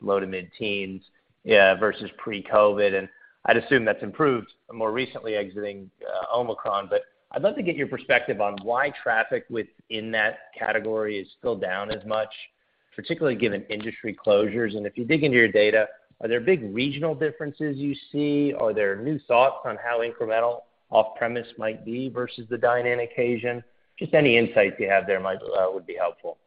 low- to mid-teens%, yeah, versus pre-COVID. I'd assume that's improved more recently exiting Omicron. I'd love to get your perspective on why traffic within that category is still down as much, particularly given industry closures. If you dig into your data, are there big regional differences you see? Are there new thoughts on how incremental off-premise might be versus the dine-in occasion? Just any insights you have there would be helpful.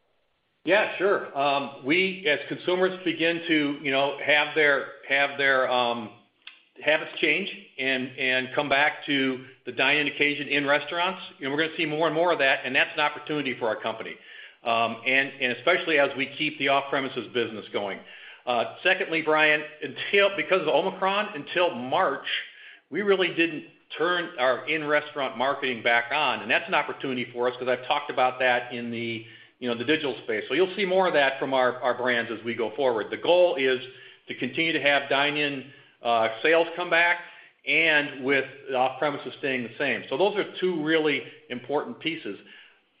Yeah, sure. As consumers begin to, you know, have their habits change and come back to the dine-in occasion in restaurants, and we're gonna see more and more of that, and that's an opportunity for our company, and especially as we keep the off-premises business going. Secondly, Brian, because of Omicron until March, we really didn't turn our in-restaurant marketing back on, and that's an opportunity for us because I've talked about that in the, you know, the digital space. You'll see more of that from our brands as we go forward. The goal is to continue to have dine-in sales come back and with off-premises staying the same. Those are two really important pieces.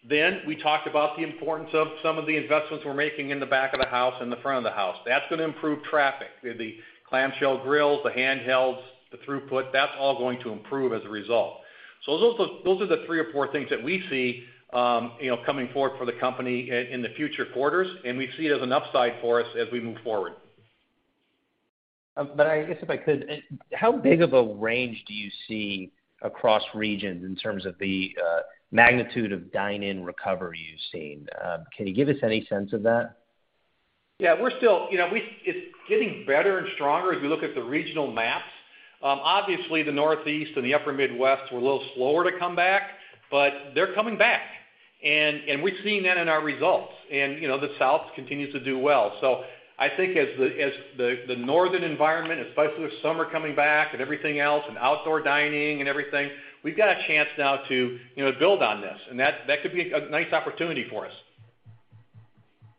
We talked about the importance of some of the investments we're making in the back of the house and the front of the house. That's gonna improve traffic. We have the clamshell grills, the handhelds, the throughput. That's all going to improve as a result. Those are the three or four things that we see, you know, coming forward for the company in the future quarters, and we see it as an upside for us as we move forward. I guess if I could, how big of a range do you see across regions in terms of the magnitude of dine-in recovery you've seen? Can you give us any sense of that? Yeah, we're still, you know, it's getting better and stronger as we look at the regional maps. Obviously, the Northeast and the upper Midwest were a little slower to come back, but they're coming back. We've seen that in our results. You know, the South continues to do well. I think as the northern environment, especially with summer coming back and everything else and outdoor dining and everything, we've got a chance now to, you know, build on this, and that could be a nice opportunity for us.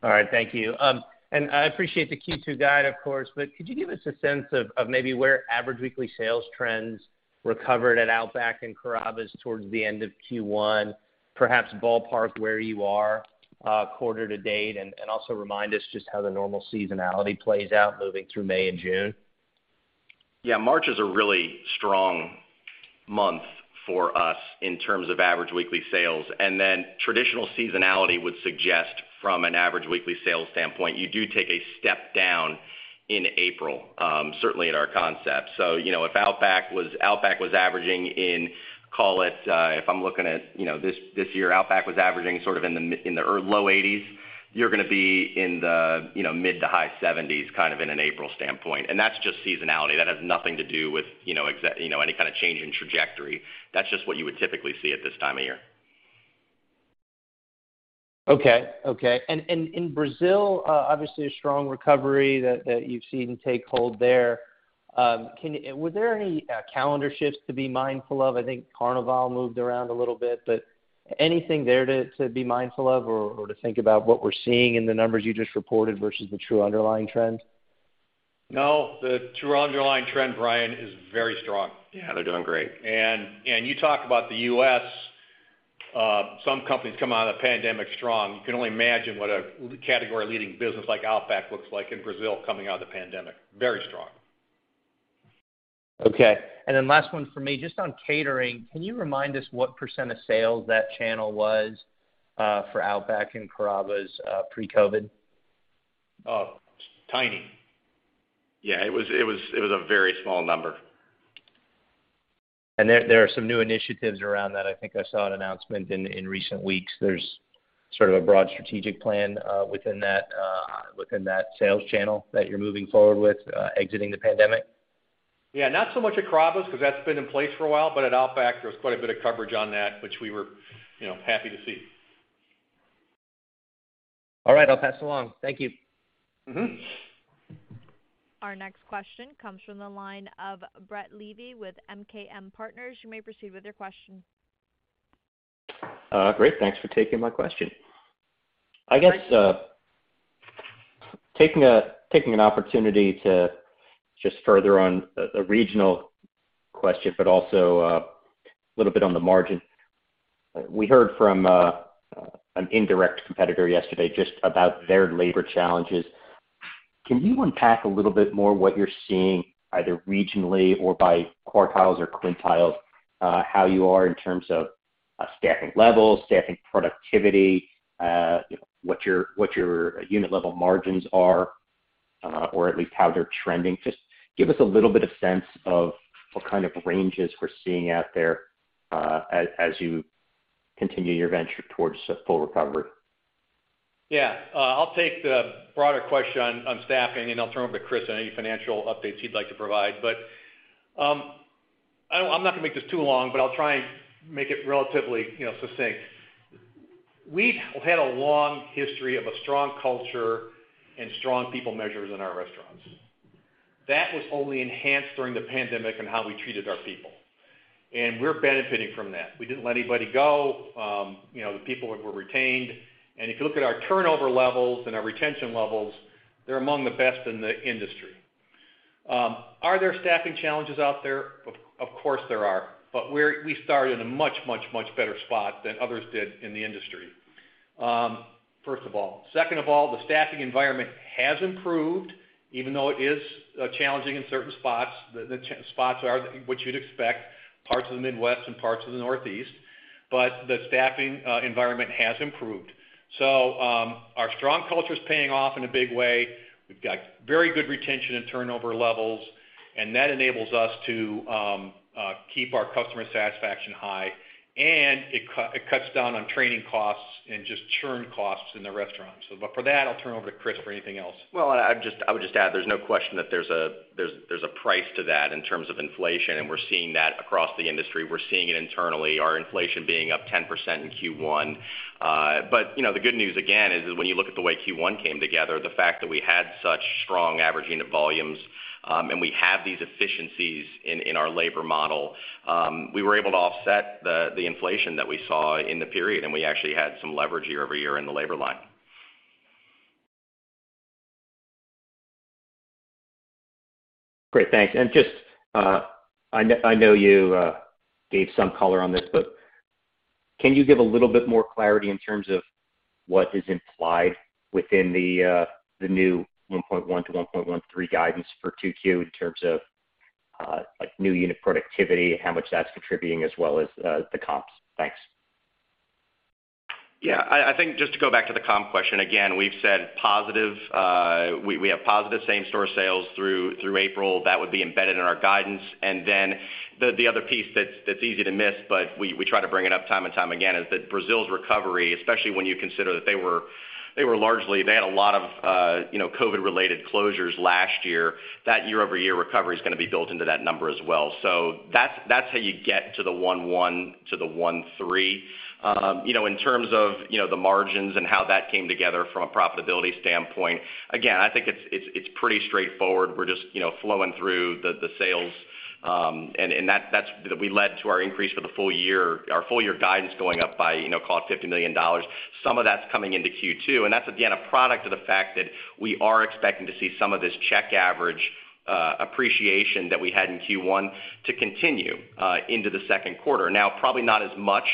All right, thank you. I appreciate the Q2 guide, of course, but could you give us a sense of maybe where average weekly sales trends recovered at Outback and Carrabba's towards the end of Q1, perhaps ballpark where you are quarter to date? Also remind us just how the normal seasonality plays out moving through May and June. Yeah, March is a really strong month for us in terms of average weekly sales. Then traditional seasonality would suggest from an average weekly sales standpoint, you do take a step down in April, certainly at our concept. You know, if Outback was averaging, call it, if I'm looking at this year, Outback was averaging sort of in the mid- to low 80s. You're gonna be in the mid- to high 70s kind of in an April standpoint, and that's just seasonality. That has nothing to do with any kind of change in trajectory. That's just what you would typically see at this time of year. Okay. In Brazil, obviously a strong recovery that you've seen take hold there. Was there any calendar shifts to be mindful of? I think Carnival moved around a little bit, but anything there to be mindful of or to think about what we're seeing in the numbers you just reported versus the true underlying trends? No. The true underlying trend, Brian, is very strong. Yeah, they're doing great. You talk about the US, some companies come out of the pandemic strong. You can only imagine what a category-leading business like Outback looks like in Brazil coming out of the pandemic. Very strong. Okay. Last one for me, just on catering. Can you remind us what % of sales that channel was for Outback and Carrabba's pre-COVID? Oh, tiny. Yeah. It was a very small number. There are some new initiatives around that. I think I saw an announcement in recent weeks. There's sort of a broad strategic plan within that sales channel that you're moving forward with exiting the pandemic. Yeah. Not so much at Carrabba's because that's been in place for a while, but at Outback, there was quite a bit of coverage on that, which we were, you know, happy to see. All right, I'll pass along. Thank you. Mm-hmm. Our next question comes from the line of Brett Levy with MKM Partners. You may proceed with your question. Great. Thanks for taking my question. I guess, taking an opportunity to just further on a regional question, but also, a little bit on the margin. We heard from an indirect competitor yesterday just about their labor challenges. Can you unpack a little bit more what you're seeing either regionally or by quartiles or quintiles, how you are in terms of, staffing levels, staffing productivity, what your unit level margins are, or at least how they're trending? Just give us a little bit of sense of what kind of ranges we're seeing out there, as you continue your venture towards a full recovery. Yeah. I'll take the broader question on staffing, and I'll turn over to Chris any financial updates he'd like to provide. I'm not gonna make this too long, but I'll try and make it relatively, you know, succinct. We've had a long history of a strong culture and strong people measures in our restaurants. That was only enhanced during the pandemic and how we treated our people, and we're benefiting from that. We didn't let anybody go. You know, the people were retained. If you look at our turnover levels and our retention levels, they're among the best in the industry. Are there staffing challenges out there? Of course there are. We started in a much better spot than others did in the industry, first of all. Second of all, the staffing environment has improved, even though it is challenging in certain spots. The spots are what you'd expect, parts of the Midwest and parts of the Northeast, but the staffing environment has improved. Our strong culture is paying off in a big way. We've got very good retention and turnover levels, and that enables us to keep our customer satisfaction high, and it cuts down on training costs and just churn costs in the restaurant. For that, I'll turn over to Chris for anything else. Well, I would just add, there's no question that there's a price to that in terms of inflation, and we're seeing that across the industry. We're seeing it internally, our inflation being up 10% in Q1. You know, the good news again is when you look at the way Q1 came together, the fact that we had such strong average unit volumes, and we have these efficiencies in our labor model, we were able to offset the inflation that we saw in the period, and we actually had some leverage year-over-year in the labor line. Great. Thanks. Just, I know you gave some color on this, but can you give a little bit more clarity in terms of what is implied within the new 1.1-1.13 guidance for 2Q in terms of like new unit productivity, how much that's contributing as well as the comps? Thanks. Yeah, I think just to go back to the comp question, again, we've said positive. We have positive same-store sales through April. That would be embedded in our guidance. The other piece that's easy to miss, but we try to bring it up time and time again, is that Brazil's recovery, especially when you consider that they were largely they had a lot of, you know, COVID-related closures last year. That year-over-year recovery is gonna be built into that number as well. That's how you get to the 1.1 to the 1.3. You know, in terms of, you know, the margins and how that came together from a profitability standpoint, again, I think it's pretty straightforward. We're just flowing through the sales and that led to our increase for the full year, our full year guidance going up by, you know, call it $50 million. Some of that's coming into Q2, and that's again a product of the fact that we are expecting to see some of this check average appreciation that we had in Q1 to continue into the Q2. Now, probably not as much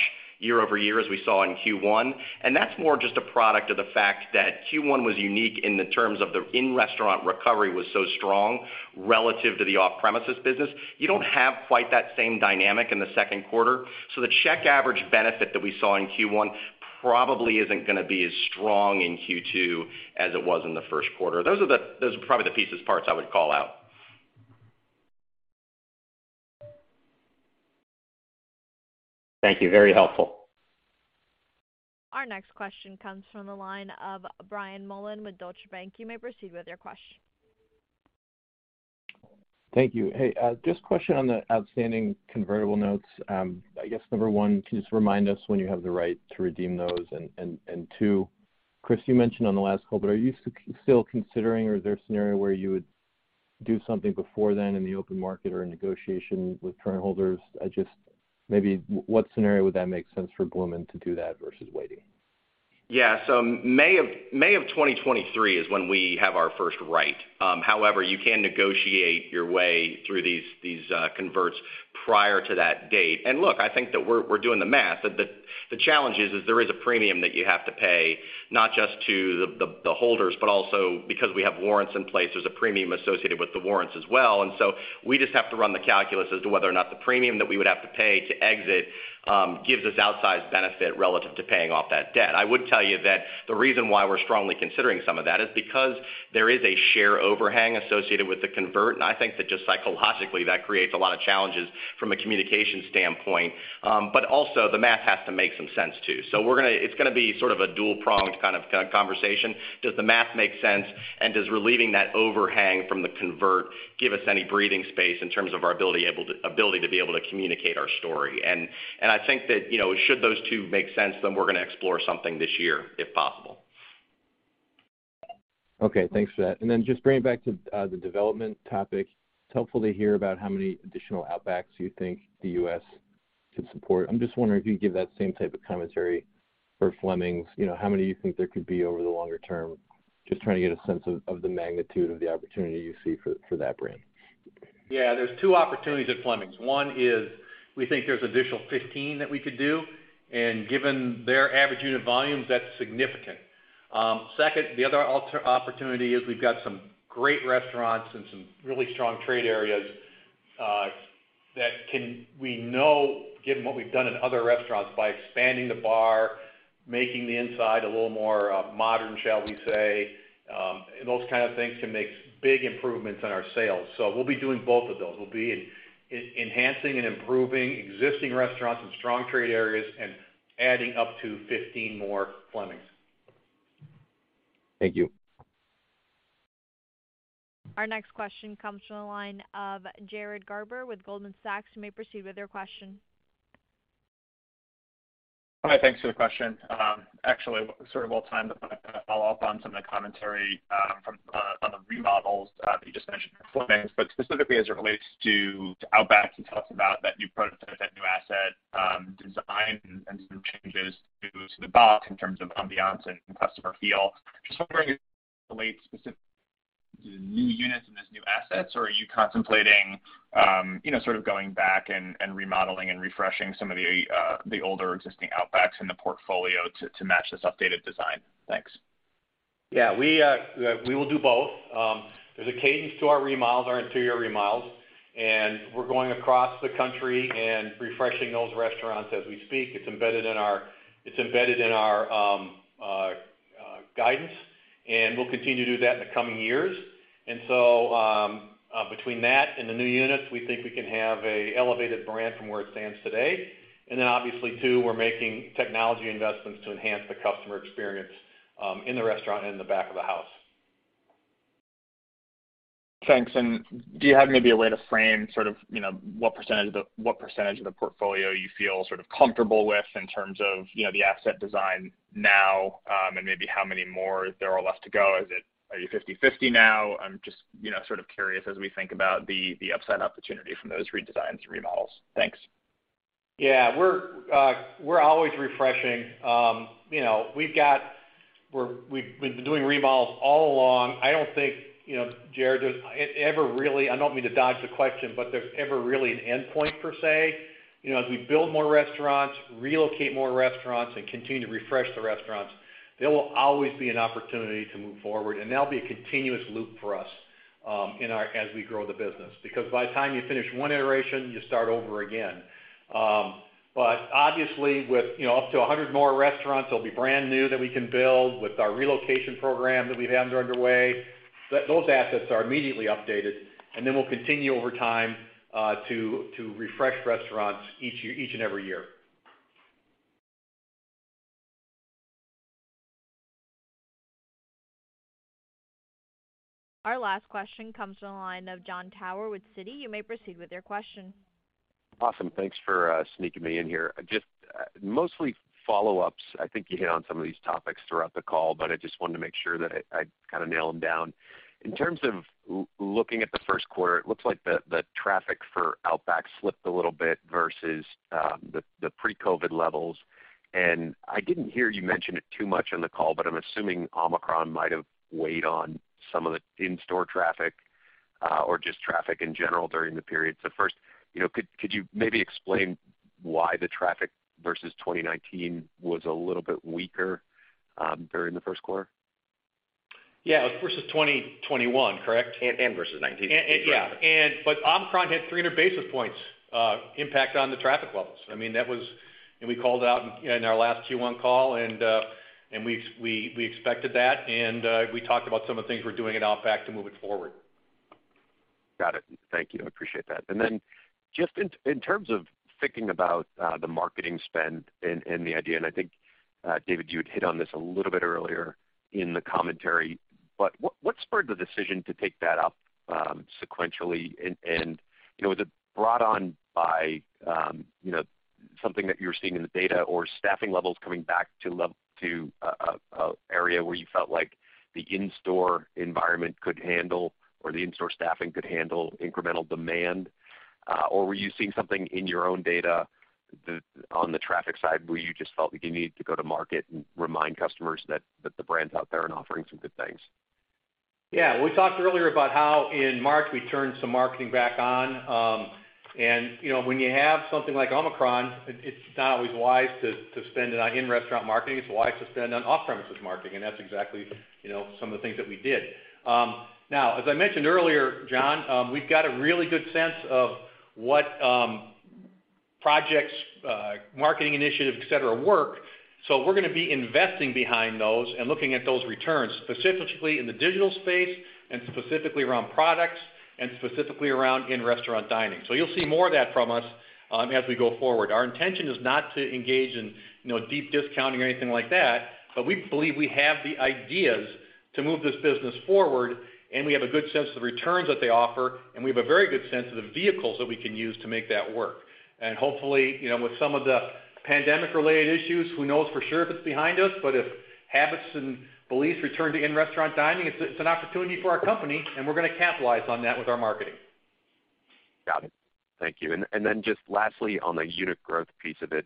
year-over-year as we saw in Q1, and that's more just a product of the fact that Q1 was unique in terms of the in-restaurant recovery was so strong relative to the off-premises business. You don't have quite that same dynamic in the Q2. The check average benefit that we saw in Q1 probably isn't gonna be as strong in Q2 as it was in the Q1. Those are probably the pieces parts I would call out. Thank you. Very helpful. Our next question comes from the line of Brian Mullan with Deutsche Bank. You may proceed with your question. Thank you. Hey, just a question on the outstanding convertible notes. I guess, number one, can you just remind us when you have the right to redeem those? and two, Chris, you mentioned on the last call, but are you still considering, or is there a scenario where you would do something before then in the open market or in negotiation with current holders? I just maybe what scenario would that make sense for Bloomin' to do that versus waiting? Yeah. May of 2023 is when we have our first right. However, you can negotiate your way through these converts prior to that date. Look, I think that we're doing the math. The challenge is there is a premium that you have to pay not just to the holders, but also because we have warrants in place. There's a premium associated with the warrants as well. We just have to run the calculus as to whether or not the premium that we would have to pay to exit gives us outsized benefit relative to paying off that debt. I would tell you that the reason why we're strongly considering some of that is because there is a share overhang associated with the convert, and I think that just psychologically, that creates a lot of challenges from a communication standpoint. But also the math has to make some sense too. It's gonna be sort of a dual pronged kind of conversation. Does the math make sense, and does relieving that overhang from the convert give us any breathing space in terms of our ability to communicate our story? I think that, you know, should those two make sense, then we're going to explore something this year, if possible. Okay, thanks for that. Just bringing it back to the development topic, it's helpful to hear about how many additional Outbacks you think the U.S. could support. I'm just wondering if you'd give that same type of commentary for Fleming's. You know, how many you think there could be over the longer term? Just trying to get a sense of the magnitude of the opportunity you see for that brand. Yeah, there's two opportunities at Fleming's. One is we think there's additional 15 that we could do, and given their average unit volumes, that's significant. Second, the other opportunity is we've got some great restaurants and some really strong trade areas that we know given what we've done in other restaurants by expanding the bar, making the inside a little more modern, shall we say, and those kind of things can make big improvements in our sales. We'll be doing both of those. We'll be enhancing and improving existing restaurants in strong trade areas and adding up to 15 more Fleming's. Thank you. Our next question comes from the line of Jared Garber with Goldman Sachs. You may proceed with your question. Hi. Thanks for the question. Actually sort of well timed. I'd like to follow up on some of the commentary from on the remodels that you just mentioned for Fleming's, but specifically as it relates to Outback. You talked about that new prototype, that new asset design and some changes to the box in terms of ambiance and customer feel. Just wondering if that relates specifically to new units and this new asset, or are you contemplating you know, sort of going back and remodeling and refreshing some of the older existing Outbacks in the portfolio to match this updated design? Thanks. Yeah, we will do both. There's a cadence to our remodels, our interior remodels, and we're going across the country and refreshing those restaurants as we speak. It's embedded in our guidance, and we'll continue to do that in the coming years. Between that and the new units, we think we can have a elevated brand from where it stands today. Obviously too, we're making technology investments to enhance the customer experience in the restaurant and in the back of the house. Thanks. Do you have maybe a way to frame sort of, you know, what percentage of the portfolio you feel sort of comfortable with in terms of, you know, the asset design now, and maybe how many more there are left to go? Is it, are you 50/50 now? I'm just, you know, sort of curious as we think about the upside opportunity from those redesigns and remodels. Thanks. Yeah. We're always refreshing. You know, we've been doing remodels all along. I don't think, you know, Jared, there's ever really an endpoint per se. I don't mean to dodge the question, but there's ever really an endpoint per se. You know, as we build more restaurants, relocate more restaurants, and continue to refresh the restaurants, there will always be an opportunity to move forward, and that'll be a continuous loop for us as we grow the business, because by the time you finish one iteration, you start over again. But obviously with, you know, up to 100 more restaurants, they'll be brand new that we can build with our relocation program that we have that are underway, those assets are immediately updated. Then we'll continue over time to refresh restaurants each year, each and every year. Our last question comes from the line of Jon Tower with Citi. You may proceed with your question. Awesome. Thanks for sneaking me in here. Just mostly follow-ups. I think you hit on some of these topics throughout the call, but I just wanted to make sure that I kind of nail them down. In terms of looking at the Q1, it looks like the traffic for Outback slipped a little bit versus the pre-COVID levels. I didn't hear you mention it too much on the call, but I'm assuming Omicron might have weighed on some of the in-store traffic or just traffic in general during the period. First, you know, could you maybe explain why the traffic versus 2019 was a little bit weaker during the Q1? Yeah. Versus 2021, correct? Versus 2019 if you prefer. Omicron hit 300 basis points impact on the traffic levels. I mean, that was. We called it out in our last Q1 call, and we expected that. We talked about some of the things we're doing at Outback to move it forward. Got it. Thank you. I appreciate that. Then just in terms of thinking about the marketing spend and the idea, and I think David, you had hit on this a little bit earlier in the commentary, but what spurred the decision to take that up sequentially? You know, was it brought on by you know, something that you were seeing in the data, or staffing levels coming back to an area where you felt like the in-store environment could handle or the in-store staffing could handle incremental demand? Or were you seeing something in your own data that on the traffic side, where you just felt like you needed to go to market and remind customers that the brand's out there and offering some good things? Yeah. We talked earlier about how in March we turned some marketing back on. You know, when you have something like Omicron, it's not always wise to spend it on in-restaurant marketing. It's wise to spend on off-premises marketing, and that's exactly, you know, some of the things that we did. Now, as I mentioned earlier, John, we've got a really good sense of what projects, marketing initiatives, et cetera, work. We're gonna be investing behind those and looking at those returns, specifically in the digital space and specifically around products and specifically around in-restaurant dining. You'll see more of that from us as we go forward. Our intention is not to engage in, you know, deep discounting or anything like that, but we believe we have the ideas to move this business forward, and we have a good sense of the returns that they offer, and we have a very good sense of the vehicles that we can use to make that work. Hopefully, you know, with some of the pandemic-related issues, who knows for sure if it's behind us, but if habits and beliefs return to in-restaurant dining, it's an opportunity for our company, and we're gonna capitalize on that with our marketing. Got it. Thank you. Then just lastly, on the unit growth piece of it,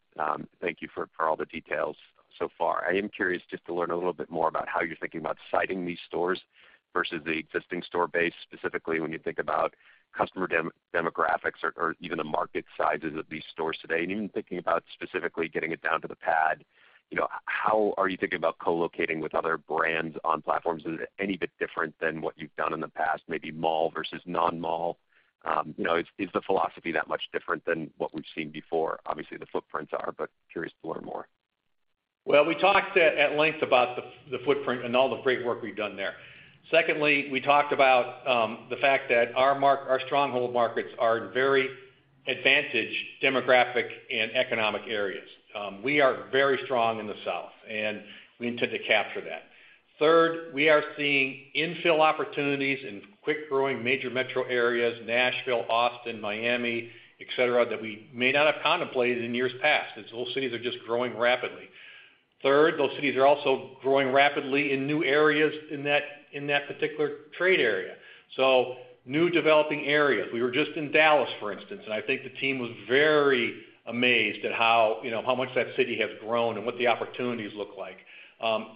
thank you for all the details so far. I am curious just to learn a little bit more about how you're thinking about siting these stores versus the existing store base, specifically when you think about customer demographics or even the market sizes of these stores today. Even thinking about specifically getting it down to the pad, you know, how are you thinking about co-locating with other brands on platforms? Is it any bit different than what you've done in the past, maybe mall versus non-mall? You know, is the philosophy that much different than what we've seen before? Obviously, the footprints are, but curious to learn more. Well, we talked at length about the footprint and all the great work we've done there. Secondly, we talked about the fact that our stronghold markets are very advantaged demographic and economic areas. We are very strong in the South, and we intend to capture that. Third, we are seeing infill opportunities in quickly growing major metro areas, Nashville, Austin, Miami, et cetera, that we may not have contemplated in years past. Those whole cities are just growing rapidly. Third, those cities are also growing rapidly in new areas in that particular trade area. New developing areas. We were just in Dallas, for instance, and I think the team was very amazed at how much that city has grown and what the opportunities look like.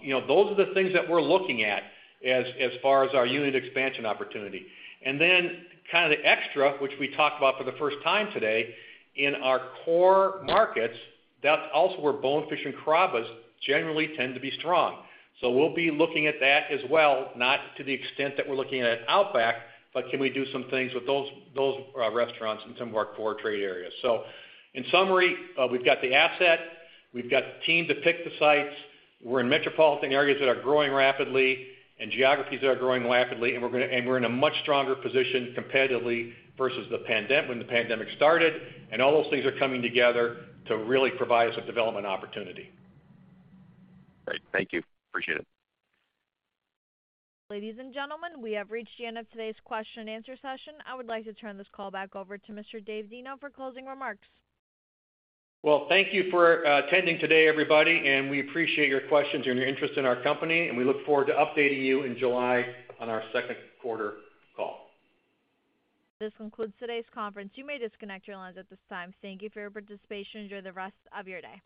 You know, those are the things that we're looking at as far as our unit expansion opportunity. Then kind of the extra, which we talked about for the first time today, in our core markets, that's also where Bonefish and Carrabba's generally tend to be strong. We'll be looking at that as well, not to the extent that we're looking at Outback, but can we do some things with those restaurants in some of our core trade areas. In summary, we've got the asset, we've got the team to pick the sites. We're in metropolitan areas that are growing rapidly and geographies that are growing rapidly, and we're in a much stronger position competitively versus when the pandemic started. All those things are coming together to really provide us with development opportunity. Great. Thank you. Appreciate it. Ladies and gentlemen, we have reached the end of today's question and answer session. I would like to turn this call back over to Mr. David Deno for closing remarks. Well, thank you for attending today, everybody, and we appreciate your questions and your interest in our company, and we look forward to updating you in July on our Q2 call. This concludes today's conference. You may disconnect your lines at this time. Thank you for your participation. Enjoy the rest of your day.